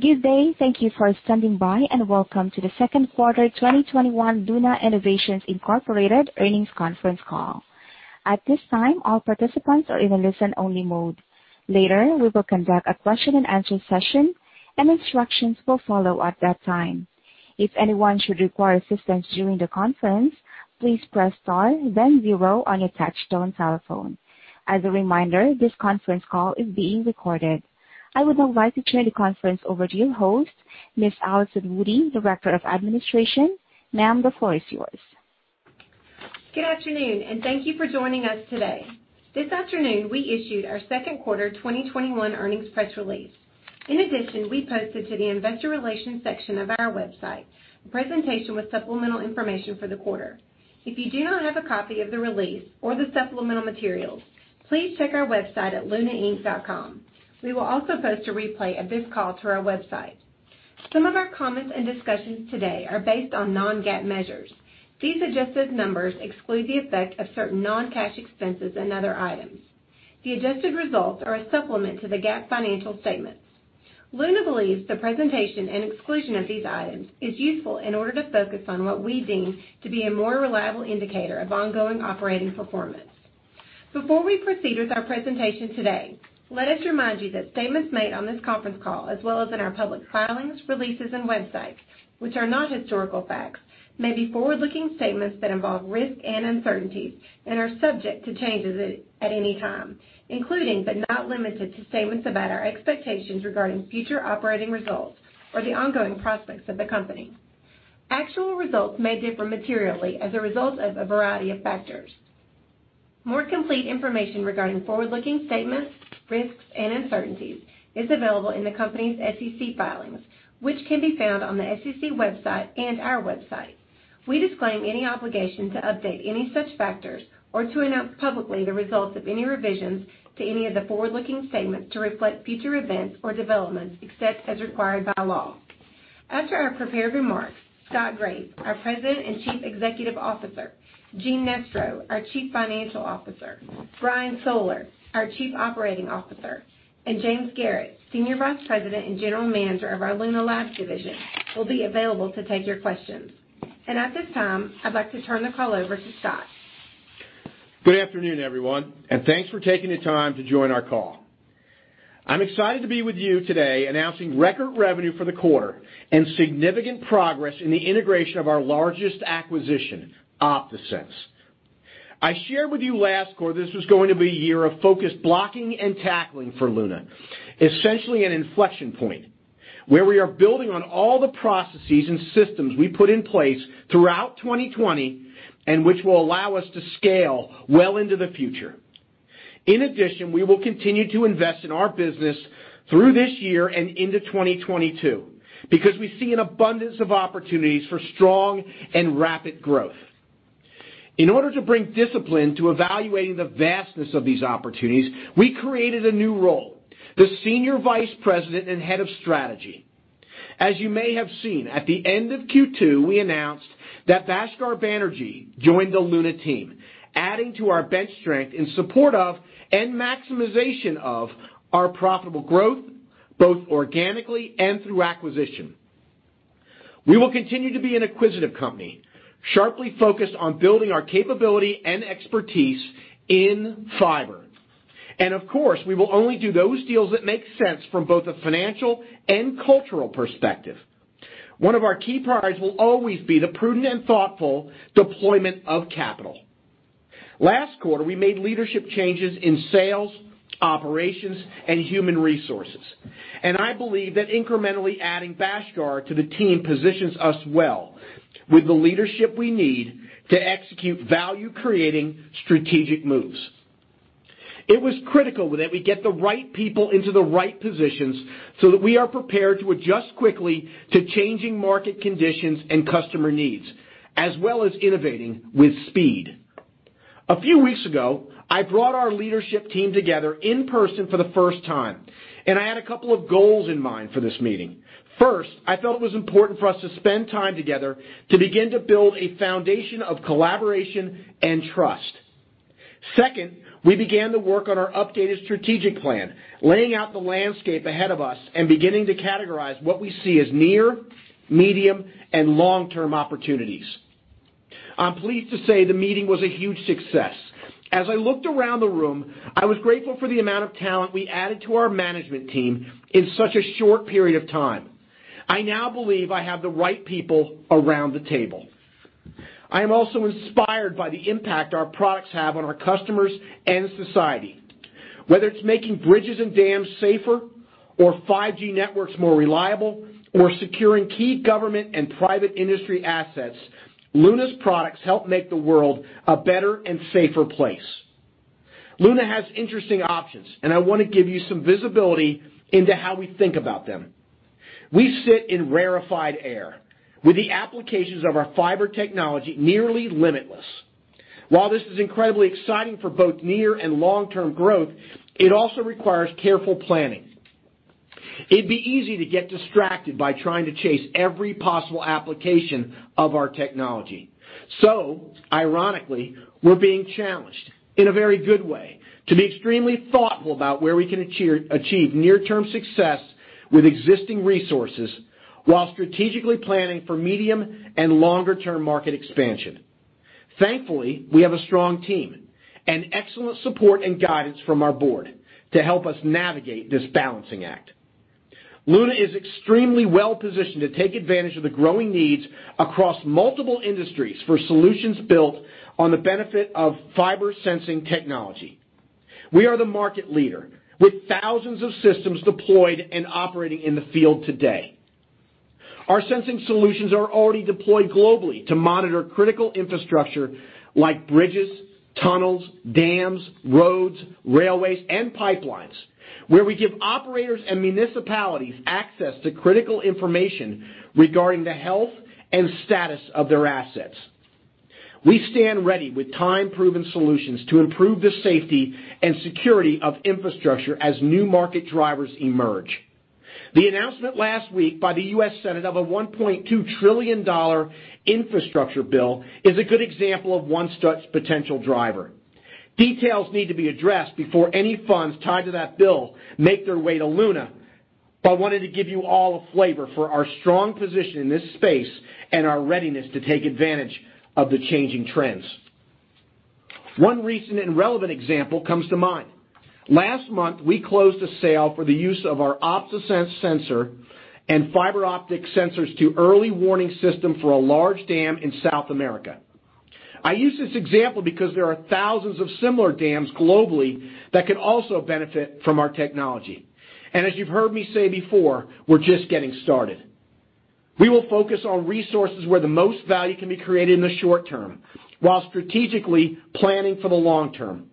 Good day. Thank you for standing by, and welcome to the Second quarter 2021 Luna Innovations Incorporated Earnings Conference Call. At this time, all participants are in a listen-only mode. Later, we will conduct a question and answer session, and instructions will follow at that time. If anyone should require assistance during the conference, please press * then 0 on your touchtone telephone. As a reminder, this conference call is being recorded. I would now like to turn the conference over to your host, Ms. Allison Woody, Director of Administration. Ma'am, the floor is yours. Good afternoon. Thank you for joining us today. This afternoon, we issued our second quarter 2021 Earnings press release. In addition, we posted to the investor relations section of our website a presentation with supplemental information for the quarter. If you do not have a copy of the release or the supplemental materials, please check our website at lunainc.com. We will also post a replay of this call to our website. Some of our comments and discussions today are based on non-GAAP measures. These adjusted numbers exclude the effect of certain non-cash expenses and other items. The adjusted results are a supplement to the GAAP financial statements. Luna believes the presentation and exclusion of these items is useful in order to focus on what we deem to be a more reliable indicator of ongoing operating performance. Before we proceed with our presentation today, let us remind you that statements made on this conference call, as well as in our public filings, releases, and websites, which are not historical facts, may be forward-looking statements that involve risk and uncertainty and are subject to changes at any time, including but not limited to statements about our expectations regarding future operating results or the ongoing prospects of the company. Actual results may differ materially as a result of a variety of factors. More complete information regarding forward-looking statements, risks, and uncertainties is available in the company's SEC filings, which can be found on the SEC website and our website. We disclaim any obligation to update any such factors or to announce publicly the results of any revisions to any of the forward-looking statements to reflect future events or developments, except as required by law. After our prepared remarks, Scott Graeff, our President and Chief Executive Officer, Gene Nestro, our Chief Financial Officer, Brian Soller, our Chief Operating Officer, and James Garrett, Senior Vice President and General Manager of our Luna Labs division, will be available to take your questions. At this time, I'd like to turn the call over to Scott. Good afternoon, everyone. Thanks for taking the time to join our call. I'm excited to be with you today announcing record revenue for the quarter and significant progress in the integration of our largest acquisition, OptaSense. I shared with you last quarter this was going to be a year of focused blocking and tackling for Luna, essentially an inflection point where we are building on all the processes and systems we put in place throughout 2020, and which will allow us to scale well into the future. In addition, we will continue to invest in our business through this year and into 2022 because we see an abundance of opportunities for strong and rapid growth. In order to bring discipline to evaluating the vastness of these opportunities, we created a new role, the Senior Vice President and Head of Strategy. As you may have seen, at the end of Q2, we announced that Bhaskar Banerjee joined the Luna team, adding to our bench strength in support of and maximization of our profitable growth, both organically and through acquisition. We will continue to be an acquisitive company, sharply focused on building our capability and expertise in fiber. Of course, we will only do those deals that make sense from both a financial and cultural perspective. One of our key priorities will always be the prudent and thoughtful deployment of capital. Last quarter, we made leadership changes in sales, operations, and human resources, and I believe that incrementally adding Bhaskar to the team positions us well with the leadership we need to execute value-creating strategic moves. It was critical that we get the right people into the right positions so that we are prepared to adjust quickly to changing market conditions and customer needs, as well as innovating with speed. A few weeks ago, I brought our leadership team together in person for the first time, and I had a couple of goals in mind for this meeting. First, I felt it was important for us to spend time together to begin to build a foundation of collaboration and trust. Second, we began to work on our updated strategic plan, laying out the landscape ahead of us and beginning to categorize what we see as near, medium, and long-term opportunities. I'm pleased to say the meeting was a huge success. As I looked around the room, I was grateful for the amount of talent we added to our management team in such a short period of time. I now believe I have the right people around the table. I am also inspired by the impact our products have on our customers and society. Whether it's making bridges and dams safer or 5G networks more reliable or securing key government and private industry assets, Luna's products help make the world a better and safer place. Luna has interesting options, and I want to give you some visibility into how we think about them. We sit in rarefied air with the applications of our fiber technology nearly limitless. While this is incredibly exciting for both near and long-term growth, it also requires careful planning. It'd be easy to get distracted by trying to chase every possible application of our technology. Ironically, we're being challenged in a very good way to be extremely thoughtful about where we can achieve near-term success with existing resources while strategically planning for medium and longer-term market expansion. Thankfully, we have a strong team and excellent support and guidance from our board to help us navigate this balancing act. Luna is extremely well-positioned to take advantage of the growing needs across multiple industries for solutions built on the benefit of fiber sensing technology. We are the market leader with thousands of systems deployed and operating in the field today. Our sensing solutions are already deployed globally to monitor critical infrastructure like bridges, tunnels, dams, roads, railways, and pipelines, where we give operators and municipalities access to critical information regarding the health and status of their assets. We stand ready with time-proven solutions to improve the safety and security of infrastructure as new market drivers emerge. The announcement last week by the US Senate of a $1.2 trillion infrastructure bill is a good example of one such potential driver. Details need to be addressed before any funds tied to that bill make their way to Luna, I wanted to give you all a flavor for our strong position in this space and our readiness to take advantage of the changing trends. One recent and relevant example comes to mind. Last month, we closed a sale for the use of our OptaSense sensor and fiber optic sensors to early warning system for a large dam in South America. I use this example because there are thousands of similar dams globally that could also benefit from our technology. As you've heard me say before, we're just getting started. We will focus on resources where the most value can be created in the short term while strategically planning for the long term.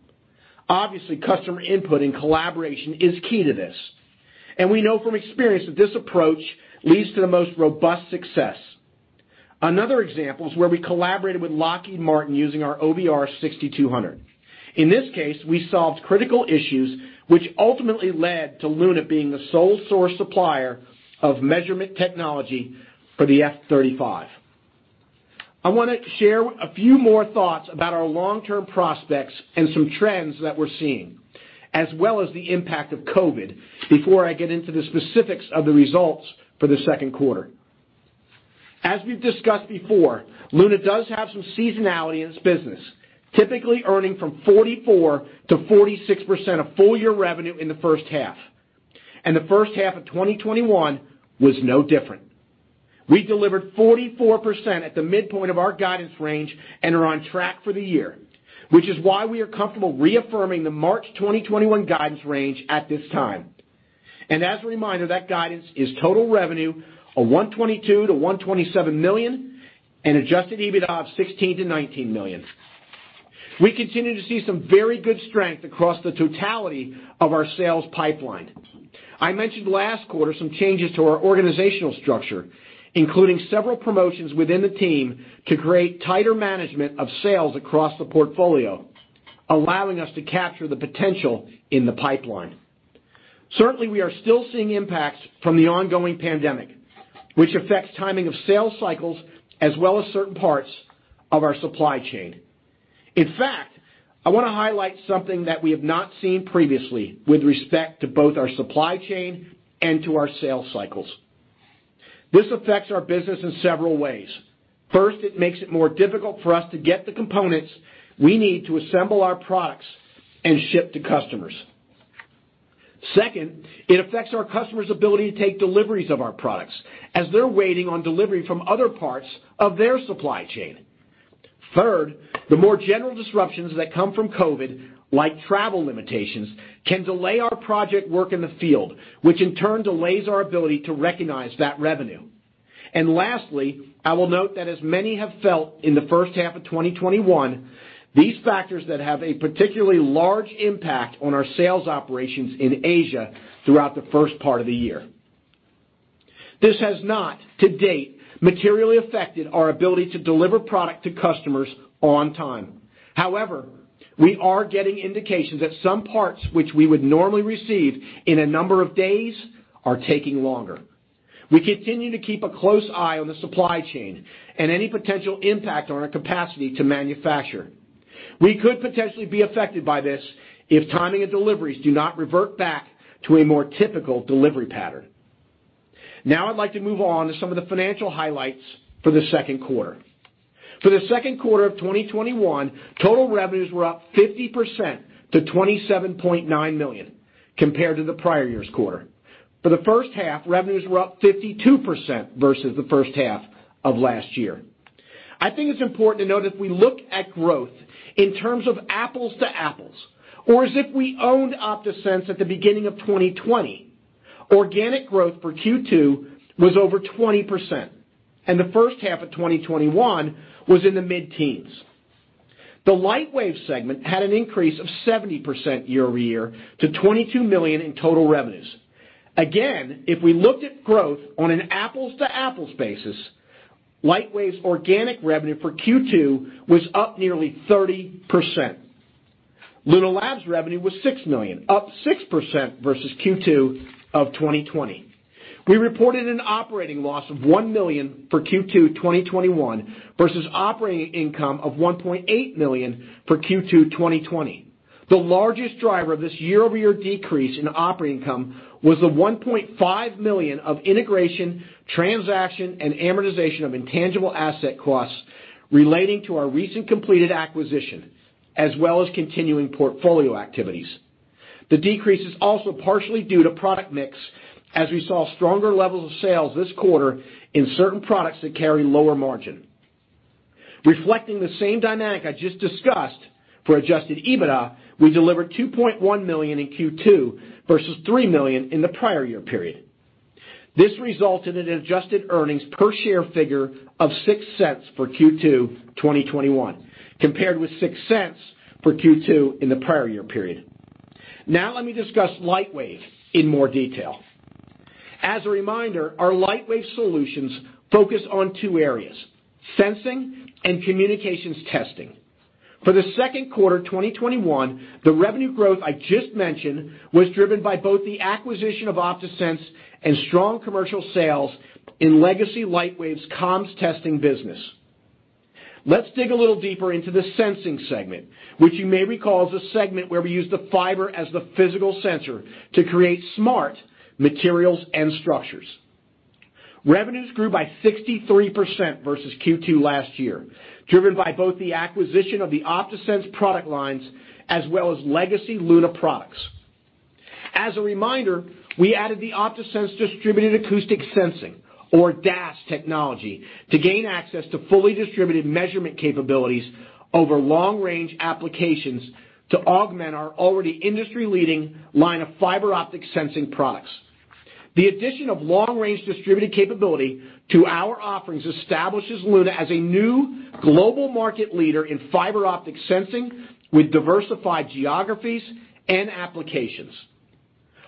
Obviously, customer input and collaboration is key to this, and we know from experience that this approach leads to the most robust success. Another example is where we collaborated with Lockheed Martin using our OBR 6200. In this case, we solved critical issues which ultimately led to Luna being the sole source supplier of measurement technology for the F-35. I want to share a few more thoughts about our long-term prospects and some trends that we're seeing, as well as the impact of COVID, before I get into the specifics of the results for the second quarter. As we've discussed before, Luna does have some seasonality in its business, typically earning from 44%-46% of full year revenue in the first half. The first half of 2021 was no different. We delivered 44% at the midpoint of our guidance range, are on track for the year, which is why we are comfortable reaffirming the March 2021 guidance range at this time. As a reminder, that guidance is total revenue of $122 million-$127 million and adjusted EBITDA of $16 million-$19 million. We continue to see some very good strength across the totality of our sales pipeline. I mentioned last quarter some changes to our organizational structure, including several promotions within the team to create tighter management of sales across the portfolio, allowing us to capture the potential in the pipeline. Certainly, we are still seeing impacts from the ongoing pandemic, which affects timing of sales cycles as well as certain parts of our supply chain. In fact, I want to highlight something that we have not seen previously with respect to both our supply chain and to our sales cycles. This affects our business in several ways. First, it makes it more difficult for us to get the components we need to assemble our products and ship to customers. Second, it affects our customers' ability to take deliveries of our products as they're waiting on delivery from other parts of their supply chain. Third, the more general disruptions that come from COVID, like travel limitations, can delay our project work in the field, which in turn delays our ability to recognize that revenue. Lastly, I will note that as many have felt in the first half of 2021, these factors that have a particularly large impact on our sales operations in Asia throughout the first part of the year. This has not, to date, materially affected our ability to deliver product to customers on time. However, we are getting indications that some parts which we would normally receive in a number of days are taking longer. We continue to keep a close eye on the supply chain and any potential impact on our capacity to manufacture. We could potentially be affected by this if timing of deliveries do not revert back to a more typical delivery pattern. I'd like to move on to some of the financial highlights for the second quarter. For the second quarter of 2021, total revenues were up 50% to $27.9 million compared to the prior year's quarter. For the first half, revenues were up 52% versus the first half of last year. I think it's important to note if we look at growth in terms of apples to apples, or as if we owned OptaSense at the beginning of 2020, organic growth for Q2 was over 20%, and the first half of 2021 was in the mid-teens. The Lightwave segment had an increase of 70% year-over-year to $22 million in total revenues. Again, if we looked at growth on an apples to apples basis, Lightwave's organic revenue for Q2 was up nearly 30%. Luna Labs revenue was $6 million, up 6% versus Q2 of 2020. We reported an operating loss of $1 million for Q2 2021 versus operating income of $1.8 million for Q2 2020. The largest driver of this year-over-year decrease in operating income was the $1.5 million of integration, transaction, and amortization of intangible asset costs relating to our recent completed acquisition, as well as continuing portfolio activities. The decrease is also partially due to product mix, as we saw stronger levels of sales this quarter in certain products that carry lower margin. Reflecting the same dynamic I just discussed for adjusted EBITDA, we delivered $2.1 million in Q2 versus $3 million in the prior year period. This resulted in an adjusted earnings per share figure of $0.06 for Q2 2021, compared with $0.06 for Q2 in the prior year period. Now let me discuss Lightwave in more detail. As a reminder, our Lightwave solutions focus on two areas, sensing and communications testing. For the second quarter 2021, the revenue growth I just mentioned was driven by both the acquisition of OptaSense and strong commercial sales in legacy Lightwave's comms testing business. Let's dig a little deeper into the sensing segment, which you may recall is a segment where we use the fiber as the physical sensor to create smart materials and structures. Revenues grew by 63% versus Q2 last year, driven by both the acquisition of the OptaSense product lines as well as legacy Luna products. As a reminder, we added the OptaSense Distributed Acoustic Sensing, or DAS technology, to gain access to fully distributed measurement capabilities over long range applications to augment our already industry-leading line of fiber optic sensing products. The addition of long range distributed capability to our offerings establishes Luna as a new global market leader in fiber optic sensing with diversified geographies and applications.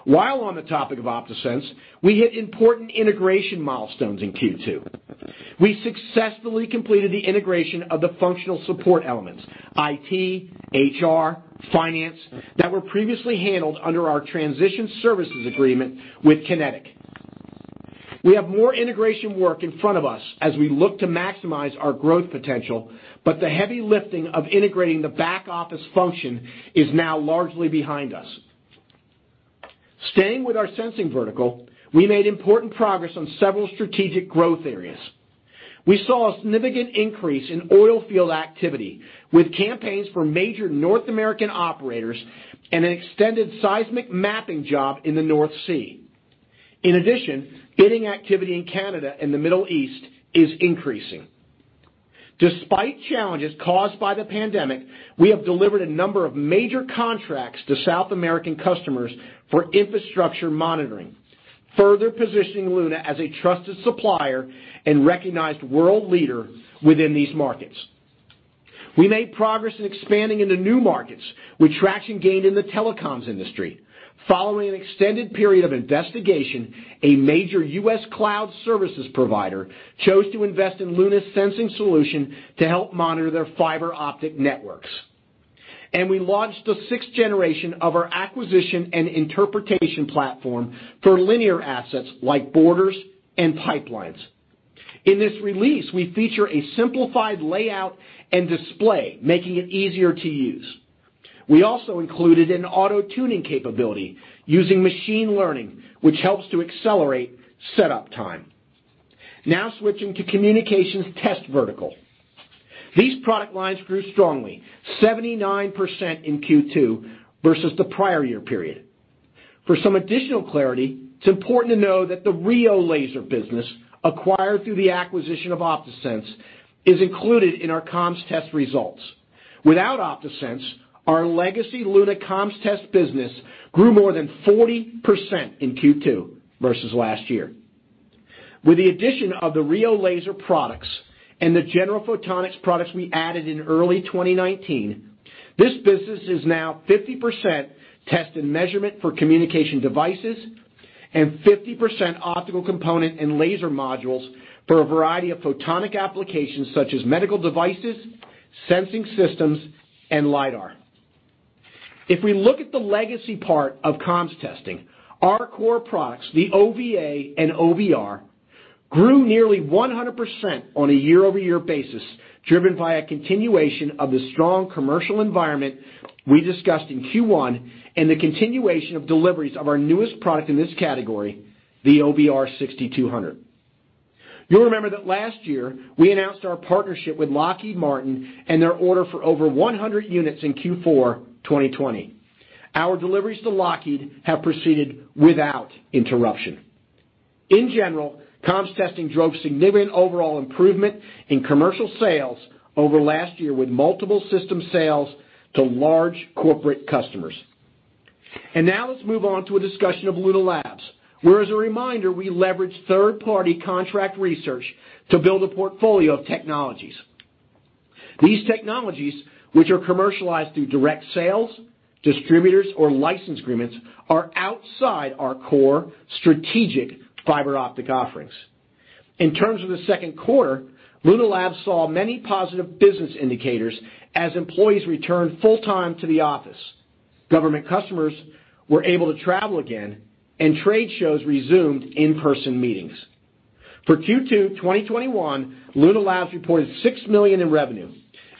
While on the topic of OptaSense, we hit important integration milestones in Q2. We successfully completed the integration of the functional support elements, IT, HR, finance, that were previously handled under our transition services agreement with QinetiQ. We have more integration work in front of us as we look to maximize our growth potential, the heavy lifting of integrating the back office function is now largely behind us. Staying with our sensing vertical, we made important progress on several strategic growth areas. We saw a significant increase in oil field activity with campaigns for major North American operators and an extended seismic mapping job in the North Sea. In addition, bidding activity in Canada and the Middle East is increasing. Despite challenges caused by the pandemic, we have delivered a number of major contracts to South American customers for infrastructure monitoring, further positioning Luna as a trusted supplier and recognized world leader within these markets. We made progress in expanding into new markets with traction gained in the telecoms industry. Following an extended period of investigation, a major U.S. cloud services provider chose to invest in Luna’s sensing solution to help monitor their fiber optic networks. We launched the 6G of our acquisition and interpretation platform for linear assets like borders and pipelines. In this release, we feature a simplified layout and display, making it easier to use. We also included an auto-tuning capability using machine learning, which helps to accelerate setup time. Now switching to communications test vertical. These product lines grew strongly, 79% in Q2 versus the prior year period. For some additional clarity, it is important to know that the RIO Laser business, acquired through the acquisition of OptaSense, is included in our comms test results. Without OptaSense, our legacy Luna comms test business grew more than 40% in Q2 versus last year. With the addition of the RIO Laser products and the General Photonics products we added in early 2019, this business is now 50% test and measurement for communication devices and 50% optical component and laser modules for a variety of photonic applications such as medical devices, sensing systems, and LIDAR. If we look at the legacy part of comms testing, our core products, the OVA and OBR, grew nearly 100% on a year-over-year basis, driven by a continuation of the strong commercial environment we discussed in Q1 and the continuation of deliveries of our newest product in this category, the OBR 6200. You'll remember that last year, we announced our partnership with Lockheed Martin and their order for over 100 units in Q4 2020. Our deliveries to Lockheed have proceeded without interruption. In general, comms testing drove significant overall improvement in commercial sales over last year with multiple system sales to large corporate customers. Now let's move on to a discussion of Luna Labs, where as a reminder, we leverage third-party contract research to build a portfolio of technologies. These technologies, which are commercialized through direct sales, distributors, or license agreements, are outside our core strategic fiber optic offerings. In terms of the second quarter, Luna Labs saw many positive business indicators as employees returned full time to the office. Government customers were able to travel again, trade shows resumed in-person meetings. For Q2 2021, Luna Labs reported $6 million in revenue,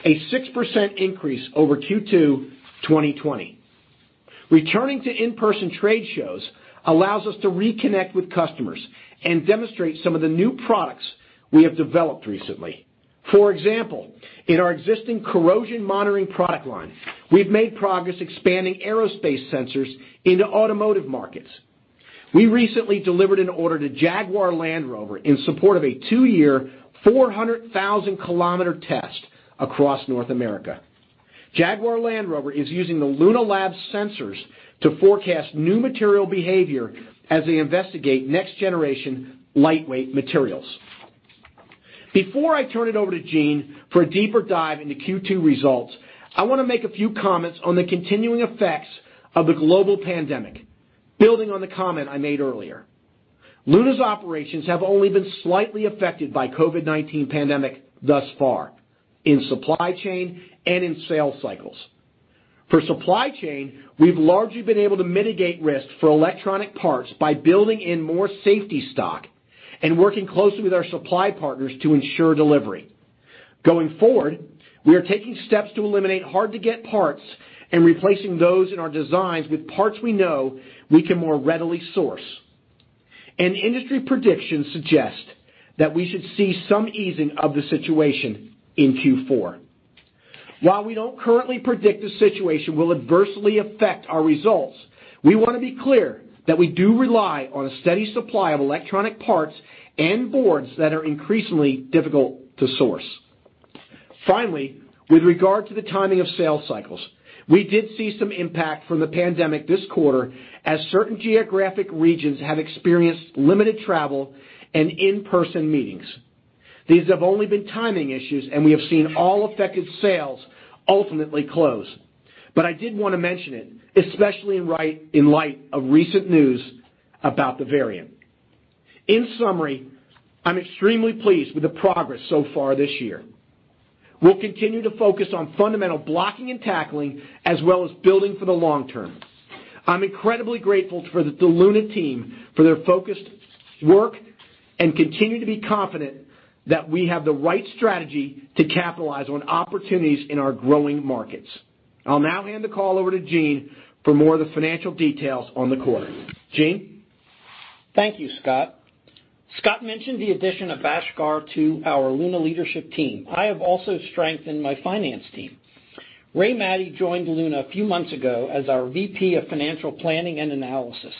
a 6% increase over Q2 2020. Returning to in-person trade shows allows us to reconnect with customers and demonstrate some of the new products we have developed recently. For example, in our existing corrosion monitoring product line, we've made progress expanding aerospace sensors into automotive markets. We recently delivered an order to Jaguar Land Rover in support of a two-year, 400,000-kilometer test across North America. Jaguar Land Rover is using the Luna Labs sensors to forecast new material behavior as they investigate next-generation lightweight materials. Before I turn it over to Gene Nestro for a deeper dive into Q2 results, I want to make a few comments on the continuing effects of the global pandemic, building on the comment I made earlier. Luna's operations have only been slightly affected by COVID-19 pandemic thus far, in supply chain and in sales cycles. For supply chain, we've largely been able to mitigate risk for electronic parts by building in more safety stock and working closely with our supply partners to ensure delivery. Going forward, we are taking steps to eliminate hard-to-get parts and replacing those in our designs with parts we know we can more readily source. Industry predictions suggest that we should see some easing of the situation in Q4. While we don't currently predict the situation will adversely affect our results, we want to be clear that we do rely on a steady supply of electronic parts and boards that are increasingly difficult to source. Finally, with regard to the timing of sales cycles, we did see some impact from the pandemic this quarter, as certain geographic regions have experienced limited travel and in-person meetings. These have only been timing issues, and we have seen all affected sales ultimately close. I did want to mention it, especially in light of recent news about the variant. In summary, I'm extremely pleased with the progress so far this year. We'll continue to focus on fundamental blocking and tackling, as well as building for the long term. I'm incredibly grateful for the Luna team for their focused work and continue to be confident that we have the right strategy to capitalize on opportunities in our growing markets. I'll now hand the call over to Gene for more of the financial details on the quarter. Gene? Thank you, Scott. Scott mentioned the addition of Bhaskar Banerjee to our Luna Innovations leadership team. I have also strengthened my finance team. Ray Matty joined Luna Innovations a few months ago as our VP of Financial Planning and Analysis.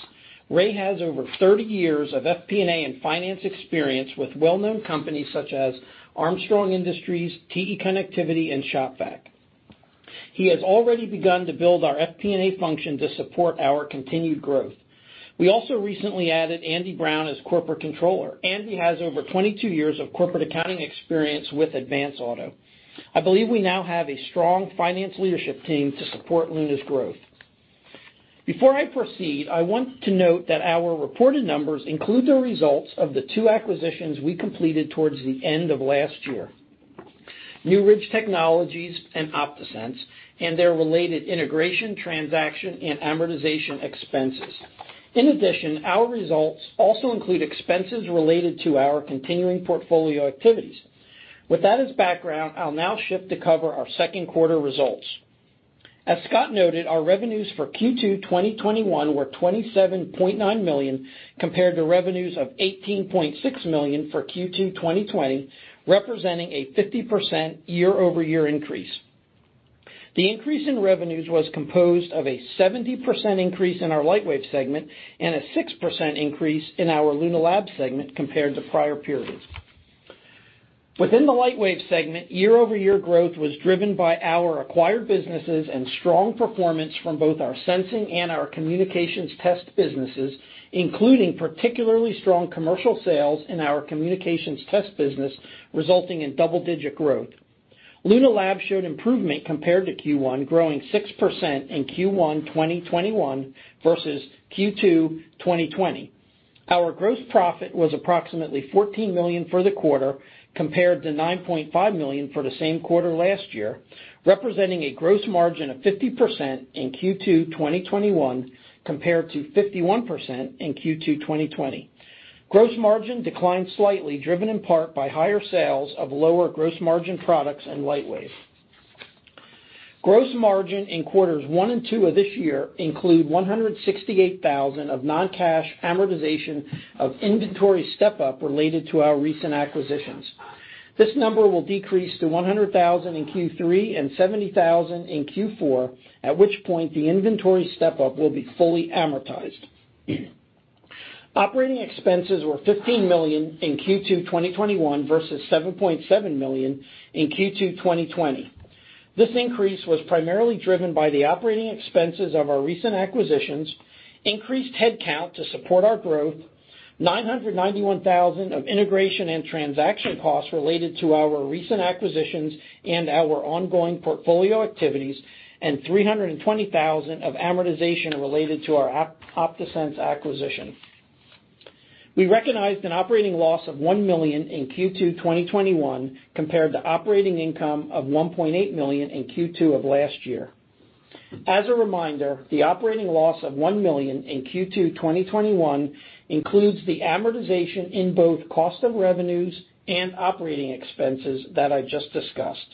Ray has over 30 years of FP&A and finance experience with well-known companies such as Armstrong World Industries, TE Connectivity, and Shop-Vac. He has already begun to build our FP&A function to support our continued growth. We also recently added Andy Brown as Corporate Controller. Andy has over 22 years of corporate accounting experience with Advance Auto Parts. I believe we now have a strong finance leadership team to support Luna Innovations's growth. Before I proceed, I want to note that our reported numbers include the results of the two acquisitions we completed towards the end of last year. New Ridge Technologies and OptaSense and their related integration, transaction, and amortization expenses. In addition, our results also include expenses related to our continuing portfolio activities. With that as background, I'll now shift to cover our second quarter results. As Scott noted, our revenues for Q2 2021 were $27.9 million, compared to revenues of $18.6 million for Q2 2020, representing a 50% year-over-year increase. The increase in revenues was composed of a 70% increase in our Lightwave segment and a 6% increase in our Luna Labs segment compared to prior periods. Within the Lightwave segment, year-over-year growth was driven by our acquired businesses and strong performance from both our sensing and our communications test businesses, including particularly strong commercial sales in our communications test business, resulting in double-digit growth. Luna Labs showed improvement compared to Q1, growing 6% in Q1 2021 versus Q2 2020. Our gross profit was approximately $14 million for the quarter, compared to $9.5 million for the same quarter last year, representing a gross margin of 50% in Q2 2021 compared to 51% in Q2 2020. Gross margin declined slightly, driven in part by higher sales of lower gross margin products in Lightwave. Gross margin in quarters 1 and 2 of this year include 168,000 of non-cash amortization of inventory step-up related to our recent acquisitions. This number will decrease to 100,000 in Q3 and 70,000 in Q4, at which point the inventory step-up will be fully amortized. Operating expenses were $15 million in Q2 2021 versus $7.7 million in Q2 2020. This increase was primarily driven by the operating expenses of our recent acquisitions, increased headcount to support our growth, $991,000 of integration and transaction costs related to our recent acquisitions and our ongoing portfolio activities, and $320,000 of amortization related to our OptaSense acquisition. We recognized an operating loss of $1 million in Q2 2021 compared to operating income of $1.8 million in Q2 of last year. As a reminder, the operating loss of $1 million in Q2 2021 includes the amortization in both cost of revenues and operating expenses that I just discussed.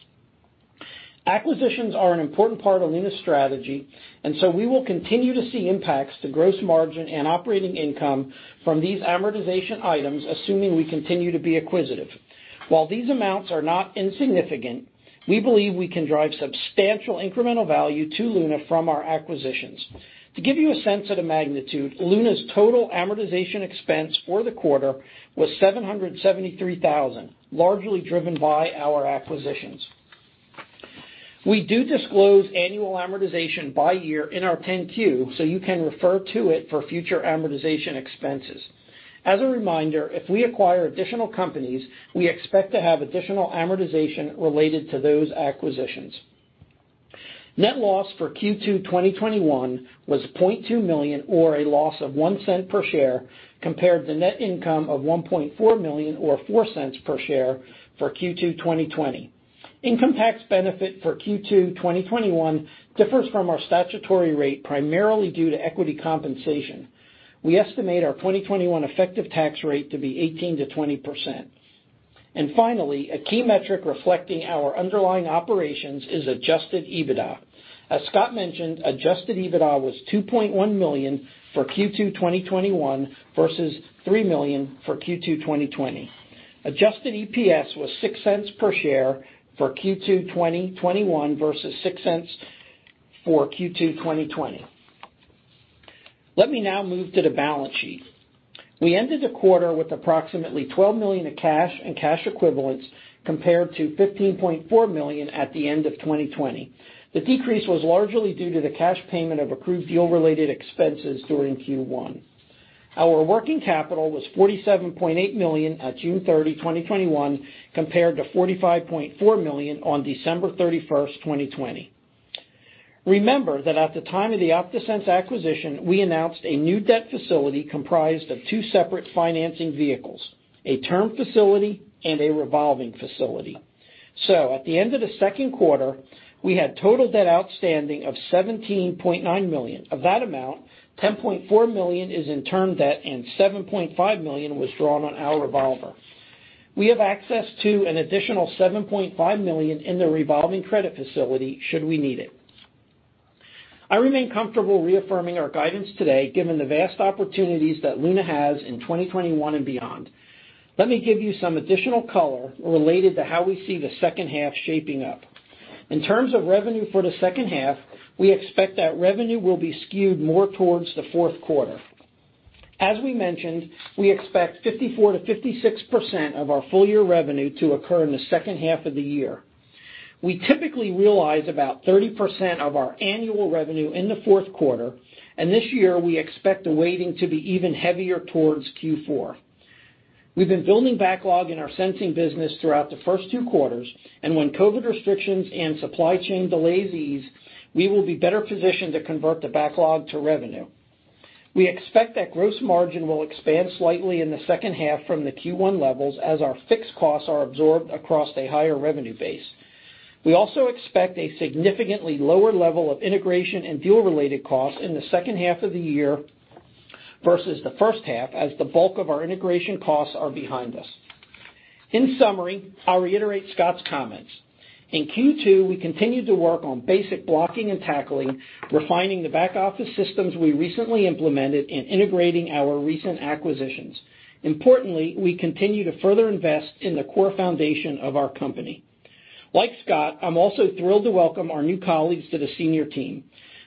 Acquisitions are an important part of Luna's strategy. We will continue to see impacts to gross margin and operating income from these amortization items, assuming we continue to be acquisitive. While these amounts are not insignificant, we believe we can drive substantial incremental value to Luna from our acquisitions. To give you a sense of the magnitude, Luna's total amortization expense for the quarter was $773,000, largely driven by our acquisitions. We do disclose annual amortization by year in our 10-Q, so you can refer to it for future amortization expenses. As a reminder, if we acquire additional companies, we expect to have additional amortization related to those acquisitions. Net loss for Q2 2021 was $0.2 million, or a loss of $0.01 per share, compared to net income of $1.4 million, or $0.04 per share, for Q2 2020. Income tax benefit for Q2 2021 differs from our statutory rate primarily due to equity compensation. We estimate our 2021 effective tax rate to be 18%-20%. Finally, a key metric reflecting our underlying operations is adjusted EBITDA. As Scott mentioned, adjusted EBITDA was $2.1 million for Q2 2021 versus $3 million for Q2 2020. Adjusted EPS was $0.06 per share for Q2 2021 versus $0.06 for Q2 2020. Let me now move to the balance sheet. We ended the quarter with approximately $12 million of cash and cash equivalents, compared to $15.4 million at the end of 2020. The decrease was largely due to the cash payment of accrued deal-related expenses during Q1. Our working capital was $47.8 million at June 30, 2021, compared to $45.4 million on December 31, 2020. Remember that at the time of the OptaSense acquisition, we announced a new debt facility comprised of two separate financing vehicles, a term facility and a revolving facility. At the end of the second quarter, we had total debt outstanding of $17.9 million. Of that amount, $10.4 million is in term debt and $7.5 million was drawn on our revolver. We have access to an additional $7.5 million in the revolving credit facility should we need it. I remain comfortable reaffirming our guidance today, given the vast opportunities that Luna has in 2021 and beyond. Let me give you some additional color related to how we see the second half shaping up. In terms of revenue for the second half, we expect that revenue will be skewed more towards the fourth quarter. As we mentioned, we expect 54%-56% of our full-year revenue to occur in the second half of the year. We typically realize about 30% of our annual revenue in the fourth quarter, and this year we expect the weighting to be even heavier towards Q4. We've been building backlog in our sensing business throughout the first two quarters, and when COVID restrictions and supply chain delays ease, we will be better positioned to convert the backlog to revenue. We expect that gross margin will expand slightly in the second half from the Q1 levels as our fixed costs are absorbed across a higher revenue base. We also expect a significantly lower level of integration and deal-related costs in the second half of the year versus the first half, as the bulk of our integration costs are behind us. In summary, I will reiterate Scott's comments. In Q2, we continued to work on basic blocking and tackling, refining the back-office systems we recently implemented and integrating our recent acquisitions. Importantly, we continue to further invest in the core foundation of our company. Like Scott, I am also thrilled to welcome our new colleagues to the senior team.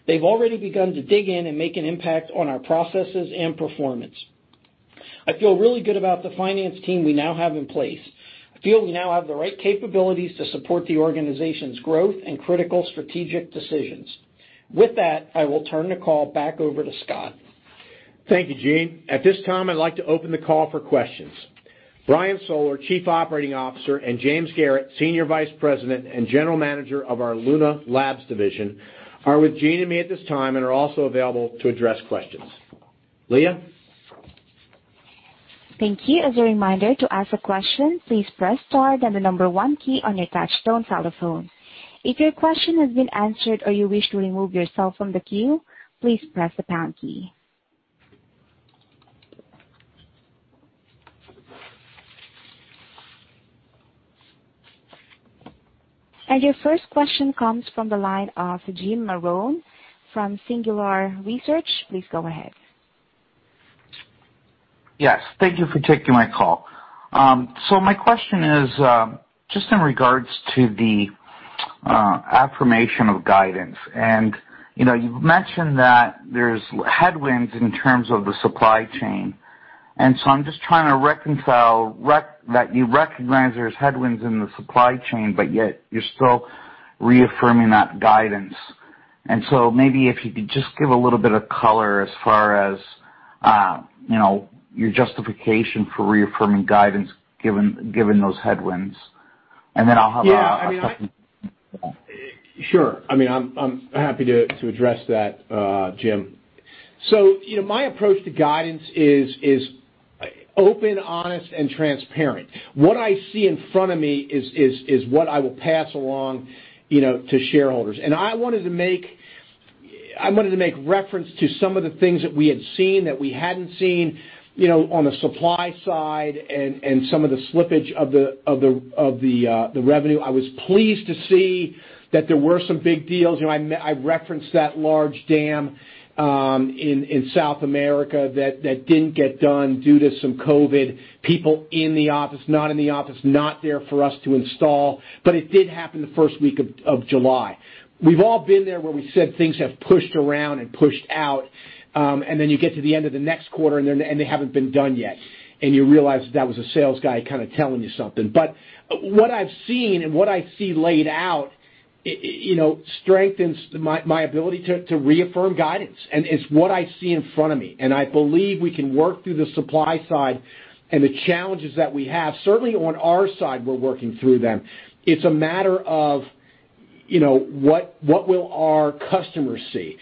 They've already begun to dig in and make an impact on our processes and performance. I feel really good about the finance team we now have in place. I feel we now have the right capabilities to support the organization's growth and critical strategic decisions. With that, I will turn the call back over to Scott. Thank you, Gene. At this time, I'd like to open the call for questions. Brian Soller, Chief Operating Officer, and James Garrett, Senior Vice President and General Manager of our Luna Labs division, are with Gene and me at this time and are also available to address questions. Leah? Thank you. Your first question comes from the line of Jim Marrone from Singular Research. Please go ahead. Yes. Thank you for taking my call. My question is just in regards to the affirmation of guidance. You've mentioned that there's headwinds in terms of the supply chain. I'm just trying to reconcile that you recognize there's headwinds in the supply chain, but yet you're still reaffirming that guidance. Maybe if you could just give a little bit of color as far as your justification for reaffirming guidance given those headwinds. I'll have a second- Yeah. Sure. I'm happy to address that, Jim. My approach to guidance is open, honest, and transparent. What I see in front of me is what I will pass along to shareholders. I wanted to make reference to some of the things that we had seen, that we hadn't seen on the supply side and some of the slippage of the revenue. I was pleased to see that there were some big deals. I referenced that large dam in South America that didn't get done due to some COVID. People in the office, not in the office, not there for us to install, but it did happen the first week of July. We've all been there where we said things have pushed around and pushed out, and then you get to the end of the next quarter, and they haven't been done yet. You realize that was a sales guy kind of telling you something. What I've seen and what I see laid out strengthens my ability to reaffirm guidance, and it's what I see in front of me. I believe we can work through the supply side and the challenges that we have. Certainly, on our side, we're working through them. It's a matter of what will our customers see.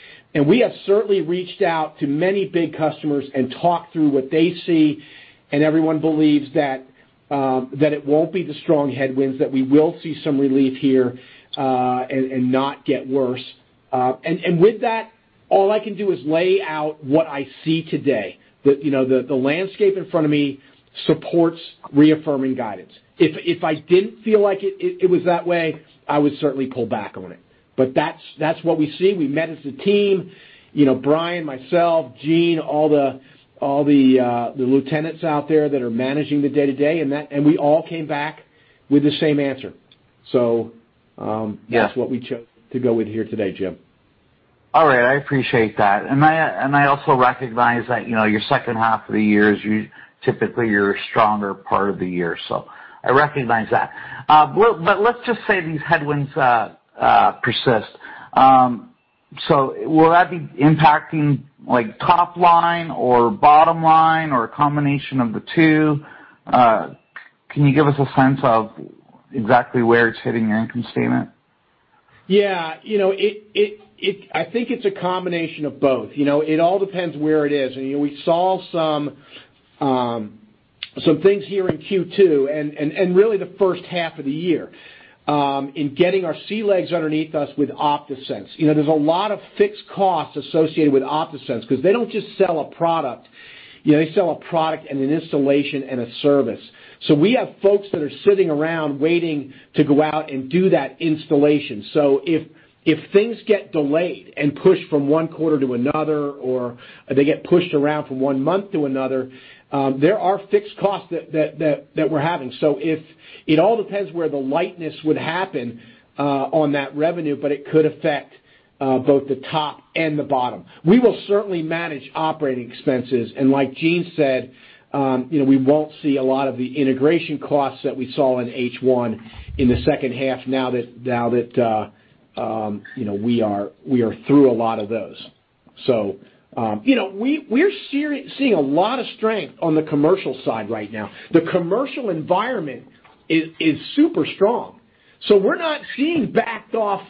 We have certainly reached out to many big customers and talked through what they see, and everyone believes that it won't be the strong headwinds, that we will see some relief here and not get worse. With that, all I can do is lay out what I see today. The landscape in front of me supports reaffirming guidance. If I didn't feel like it was that way, I would certainly pull back on it. That's what we see. We met as a team, Brian, myself, Gene, all the lieutenants out there that are managing the day-to-day, and we all came back with the same answer. Yeah That's what we chose to go with here today, Jim. All right. I appreciate that. I also recognize that your second half of the year is typically your stronger part of the year. I recognize that. Let's just say these headwinds persist. Will that be impacting top line or bottom line or a combination of the two? Can you give us a sense of exactly where it's hitting your income statement? Yeah. I think it's a combination of both. It all depends where it is. We saw some things here in Q2, and really the first half of the year, in getting our sea legs underneath us with OptaSense. There's a lot of fixed costs associated with OptaSense because they don't just sell a product. They sell a product and an installation and a service. We have folks that are sitting around waiting to go out and do that installation. If things get delayed and pushed from one quarter to another, or they get pushed around from one month to another, there are fixed costs that we're having. It all depends where the lightness would happen on that revenue, but it could affect both the top and the bottom. We will certainly manage operating expenses. Like Gene said, we won't see a lot of the integration costs that we saw in H1 in the second half now that we are through a lot of those. We're seeing a lot of strength on the commercial side right now. The commercial environment is super strong. We're not seeing backed off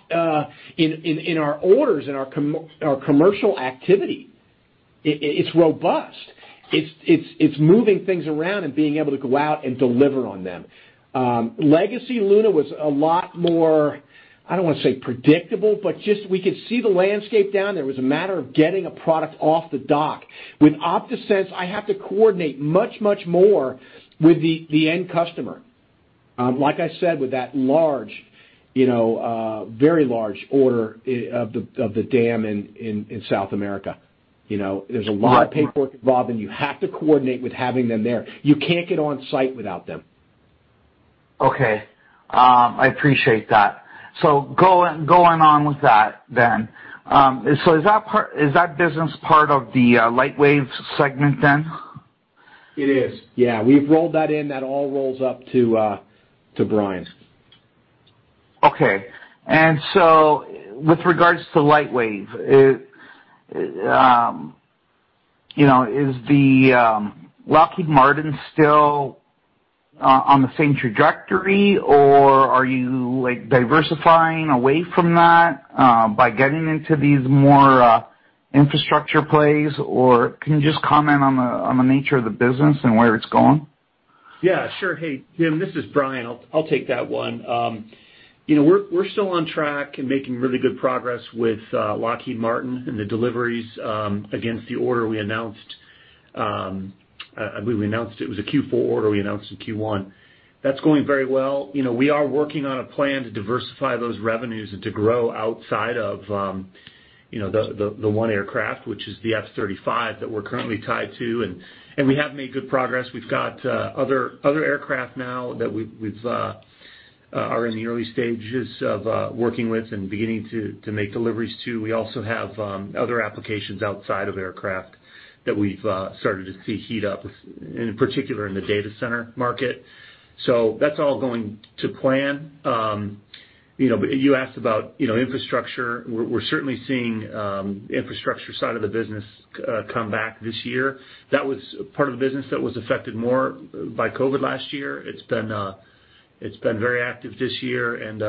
in our orders, in our commercial activity. It's robust. It's moving things around and being able to go out and deliver on them. Legacy Luna was a lot more, I don't want to say predictable, but just we could see the landscape down there. It was a matter of getting a product off the dock. With OptaSense, I have to coordinate much more with the end customer. Like I said, with that very large order of the dam in South America. There's a lot of paperwork involved, and you have to coordinate with having them there. You can't get on site without them. Okay. I appreciate that. Going on with that then. Is that business part of the Lightwave segment then? It is. Yeah. We've rolled that in. That all rolls up to Brian. Okay. With regards to Lightwave, is the Lockheed Martin still on the same trajectory, or are you diversifying away from that by getting into these more infrastructure plays? Or can you just comment on the nature of the business and where it's going? Yeah, sure. Hey, Jim, this is Brian. I'll take that one. We're still on track and making really good progress with Lockheed Martin and the deliveries against the order we announced. I believe it was a Q4 order we announced in Q1. That's going very well. We are working on a plan to diversify those revenues and to grow outside of the one aircraft, which is the F-35 that we're currently tied to. We have made good progress. We've got other aircraft now that we are in the early stages of working with and beginning to make deliveries to. We also have other applications outside of aircraft that we've started to see heat up, in particular in the data center market. That's all going to plan. You asked about infrastructure. We're certainly seeing infrastructure side of the business come back this year. That was part of the business that was affected more by COVID last year. It's been very active this year, and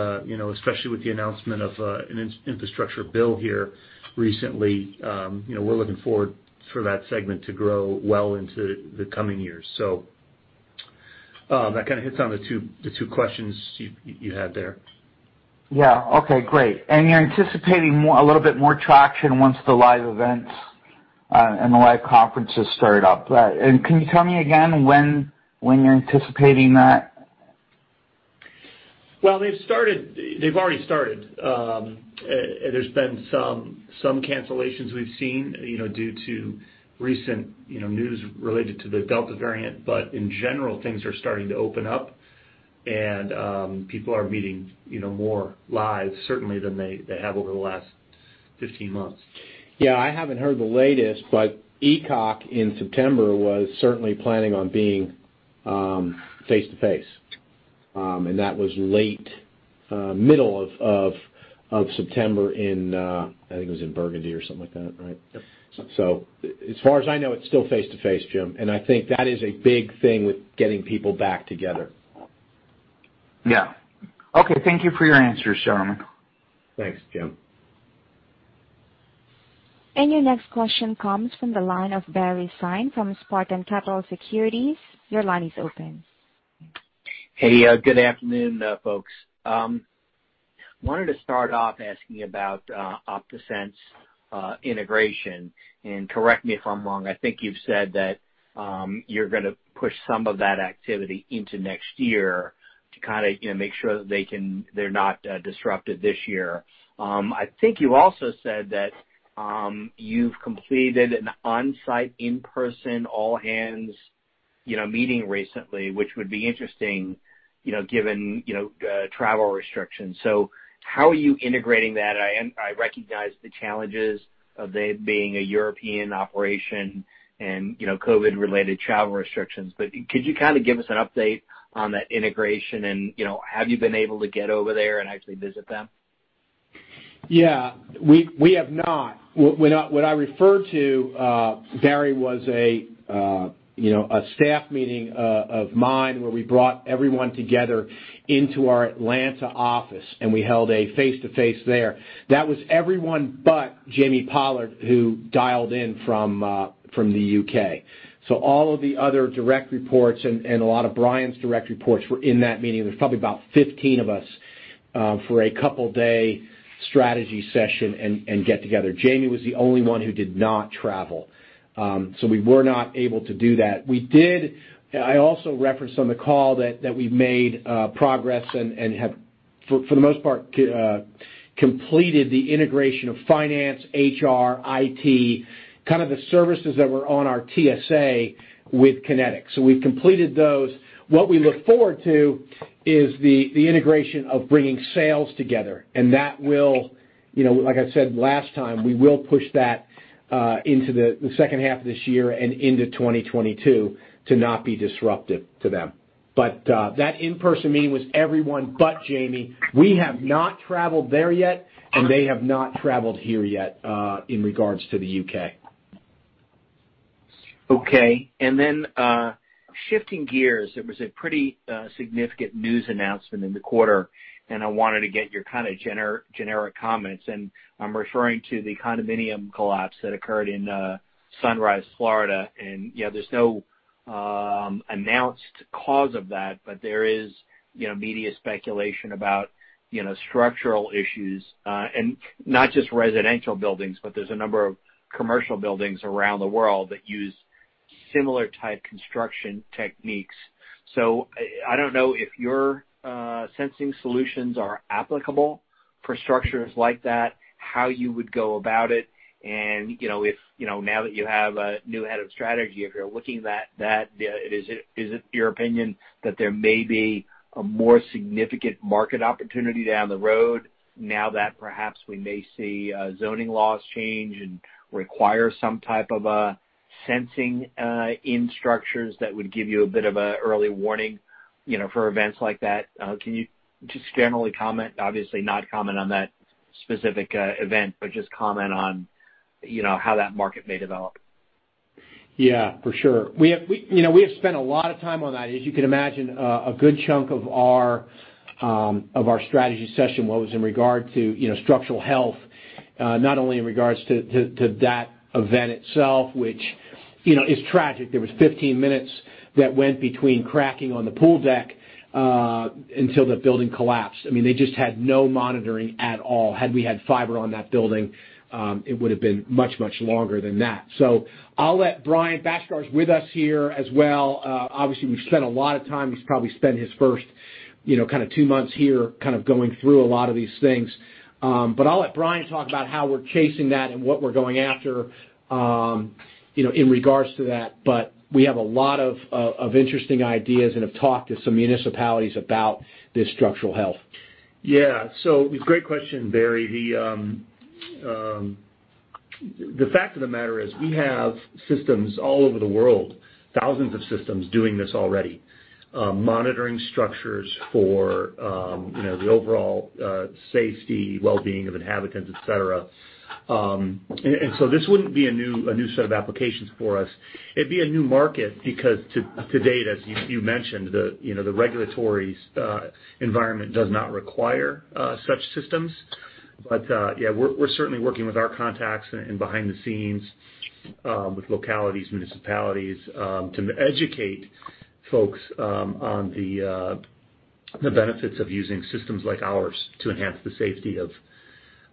especially with the announcement of an Infrastructure Bill here recently. We're looking forward for that segment to grow well into the coming years. That kind of hits on the two questions you had there. Yeah. Okay, great. You're anticipating a little bit more traction once the live events and the live conferences start up. Can you tell me again when you're anticipating that? Well, they've already started. There's been some cancellations we've seen due to recent news related to the Delta variant. In general, things are starting to open up and people are meeting more live, certainly than they have over the last 15 months. I haven't heard the latest, ECOC in September was certainly planning on being face-to-face. That was middle of September in, I think it was in Bordeaux or something like that, right? Yep. As far as I know, it's still face-to-face, Jim, and I think that is a big thing with getting people back together. Yeah. Okay. Thank you for your answers, gentlemen. Thanks, Jim. Your next question comes from the line of Barry Sine from Spartan Capital Securities. Your line is open. Good afternoon, folks. Wanted to start off asking about OptaSense integration, and correct me if I'm wrong, I think you've said that you're going to push some of that activity into next year to kind of make sure that they're not disrupted this year. I think you also said that you've completed an on-site, in-person all-hands meeting recently, which would be interesting given travel restrictions. How are you integrating that? I recognize the challenges of they being a European operation and COVID-related travel restrictions, but could you kind of give us an update on that integration and have you been able to get over there and actually visit them? Yeah. We have not. What I referred to, Barry, was a staff meeting of mine where we brought everyone together into our Atlanta office, and we held a face-to-face there. That was everyone but Jamie Pollard, who dialed in from the U.K. All of the other direct reports and a lot of Brian's direct reports were in that meeting. There was probably about 15 of us for a 2-day strategy session and get-together. Jamie was the only one who did not travel. We were not able to do that. I also referenced on the call that we've made progress and have, for the most part, completed the integration of finance, HR, IT, kind of the services that were on our TSA with QinetiQ. We've completed those. What we look forward to is the integration of bringing sales together, and that will, like I said last time, we will push that into the second half of this year and into 2022 to not be disruptive to them. That in-person meeting was everyone but Jamie. We have not traveled there yet, and they have not traveled here yet in regards to the U.K. Okay. Shifting gears, there was a pretty significant news announcement in the quarter, and I wanted to get your kind of generic comments, and I am referring to the condominium collapse that occurred in Surfside, Florida. There is no announced cause of that, but there is media speculation about structural issues. Not just residential buildings, but there is a number of commercial buildings around the world that use similar type construction techniques. I don't know if your sensing solutions are applicable for structures like that, how you would go about it, and if now that you have a new head of strategy, if you're looking at that, is it your opinion that there may be a more significant market opportunity down the road now that perhaps we may see zoning laws change and require some type of a sensing in structures that would give you a bit of an early warning for events like that? Can you just generally comment? Obviously not comment on that specific event, but just comment on how that market may develop. Yeah, for sure. We have spent a lot of time on that. As you can imagine, a good chunk of our strategy session was in regard to structural health, not only in regards to that event itself, which is tragic. There was 15 minutes that went between cracking on the pool deck until the building collapsed. They just had no monitoring at all. Had we had fiber on that building, it would have been much, much longer than that. I'll let Brian, Bhaskar's with us here as well. Obviously, we've spent a lot of time. He's probably spent his first kind of two months here kind of going through a lot of these things. I'll let Brian talk about how we're chasing that and what we're going after in regards to that. We have a lot of interesting ideas and have talked to some municipalities about this structural health. Yeah. Great question, Barry. The fact of the matter is we have systems all over the world, thousands of systems doing this already. Monitoring structures for the overall safety, well-being of inhabitants, et cetera. This wouldn't be a new set of applications for us. It'd be a new market because to date, as you mentioned, the regulatory environment does not require such systems. Yeah, we're certainly working with our contacts and behind the scenes with localities, municipalities to educate folks on the benefits of using systems like ours to enhance the safety of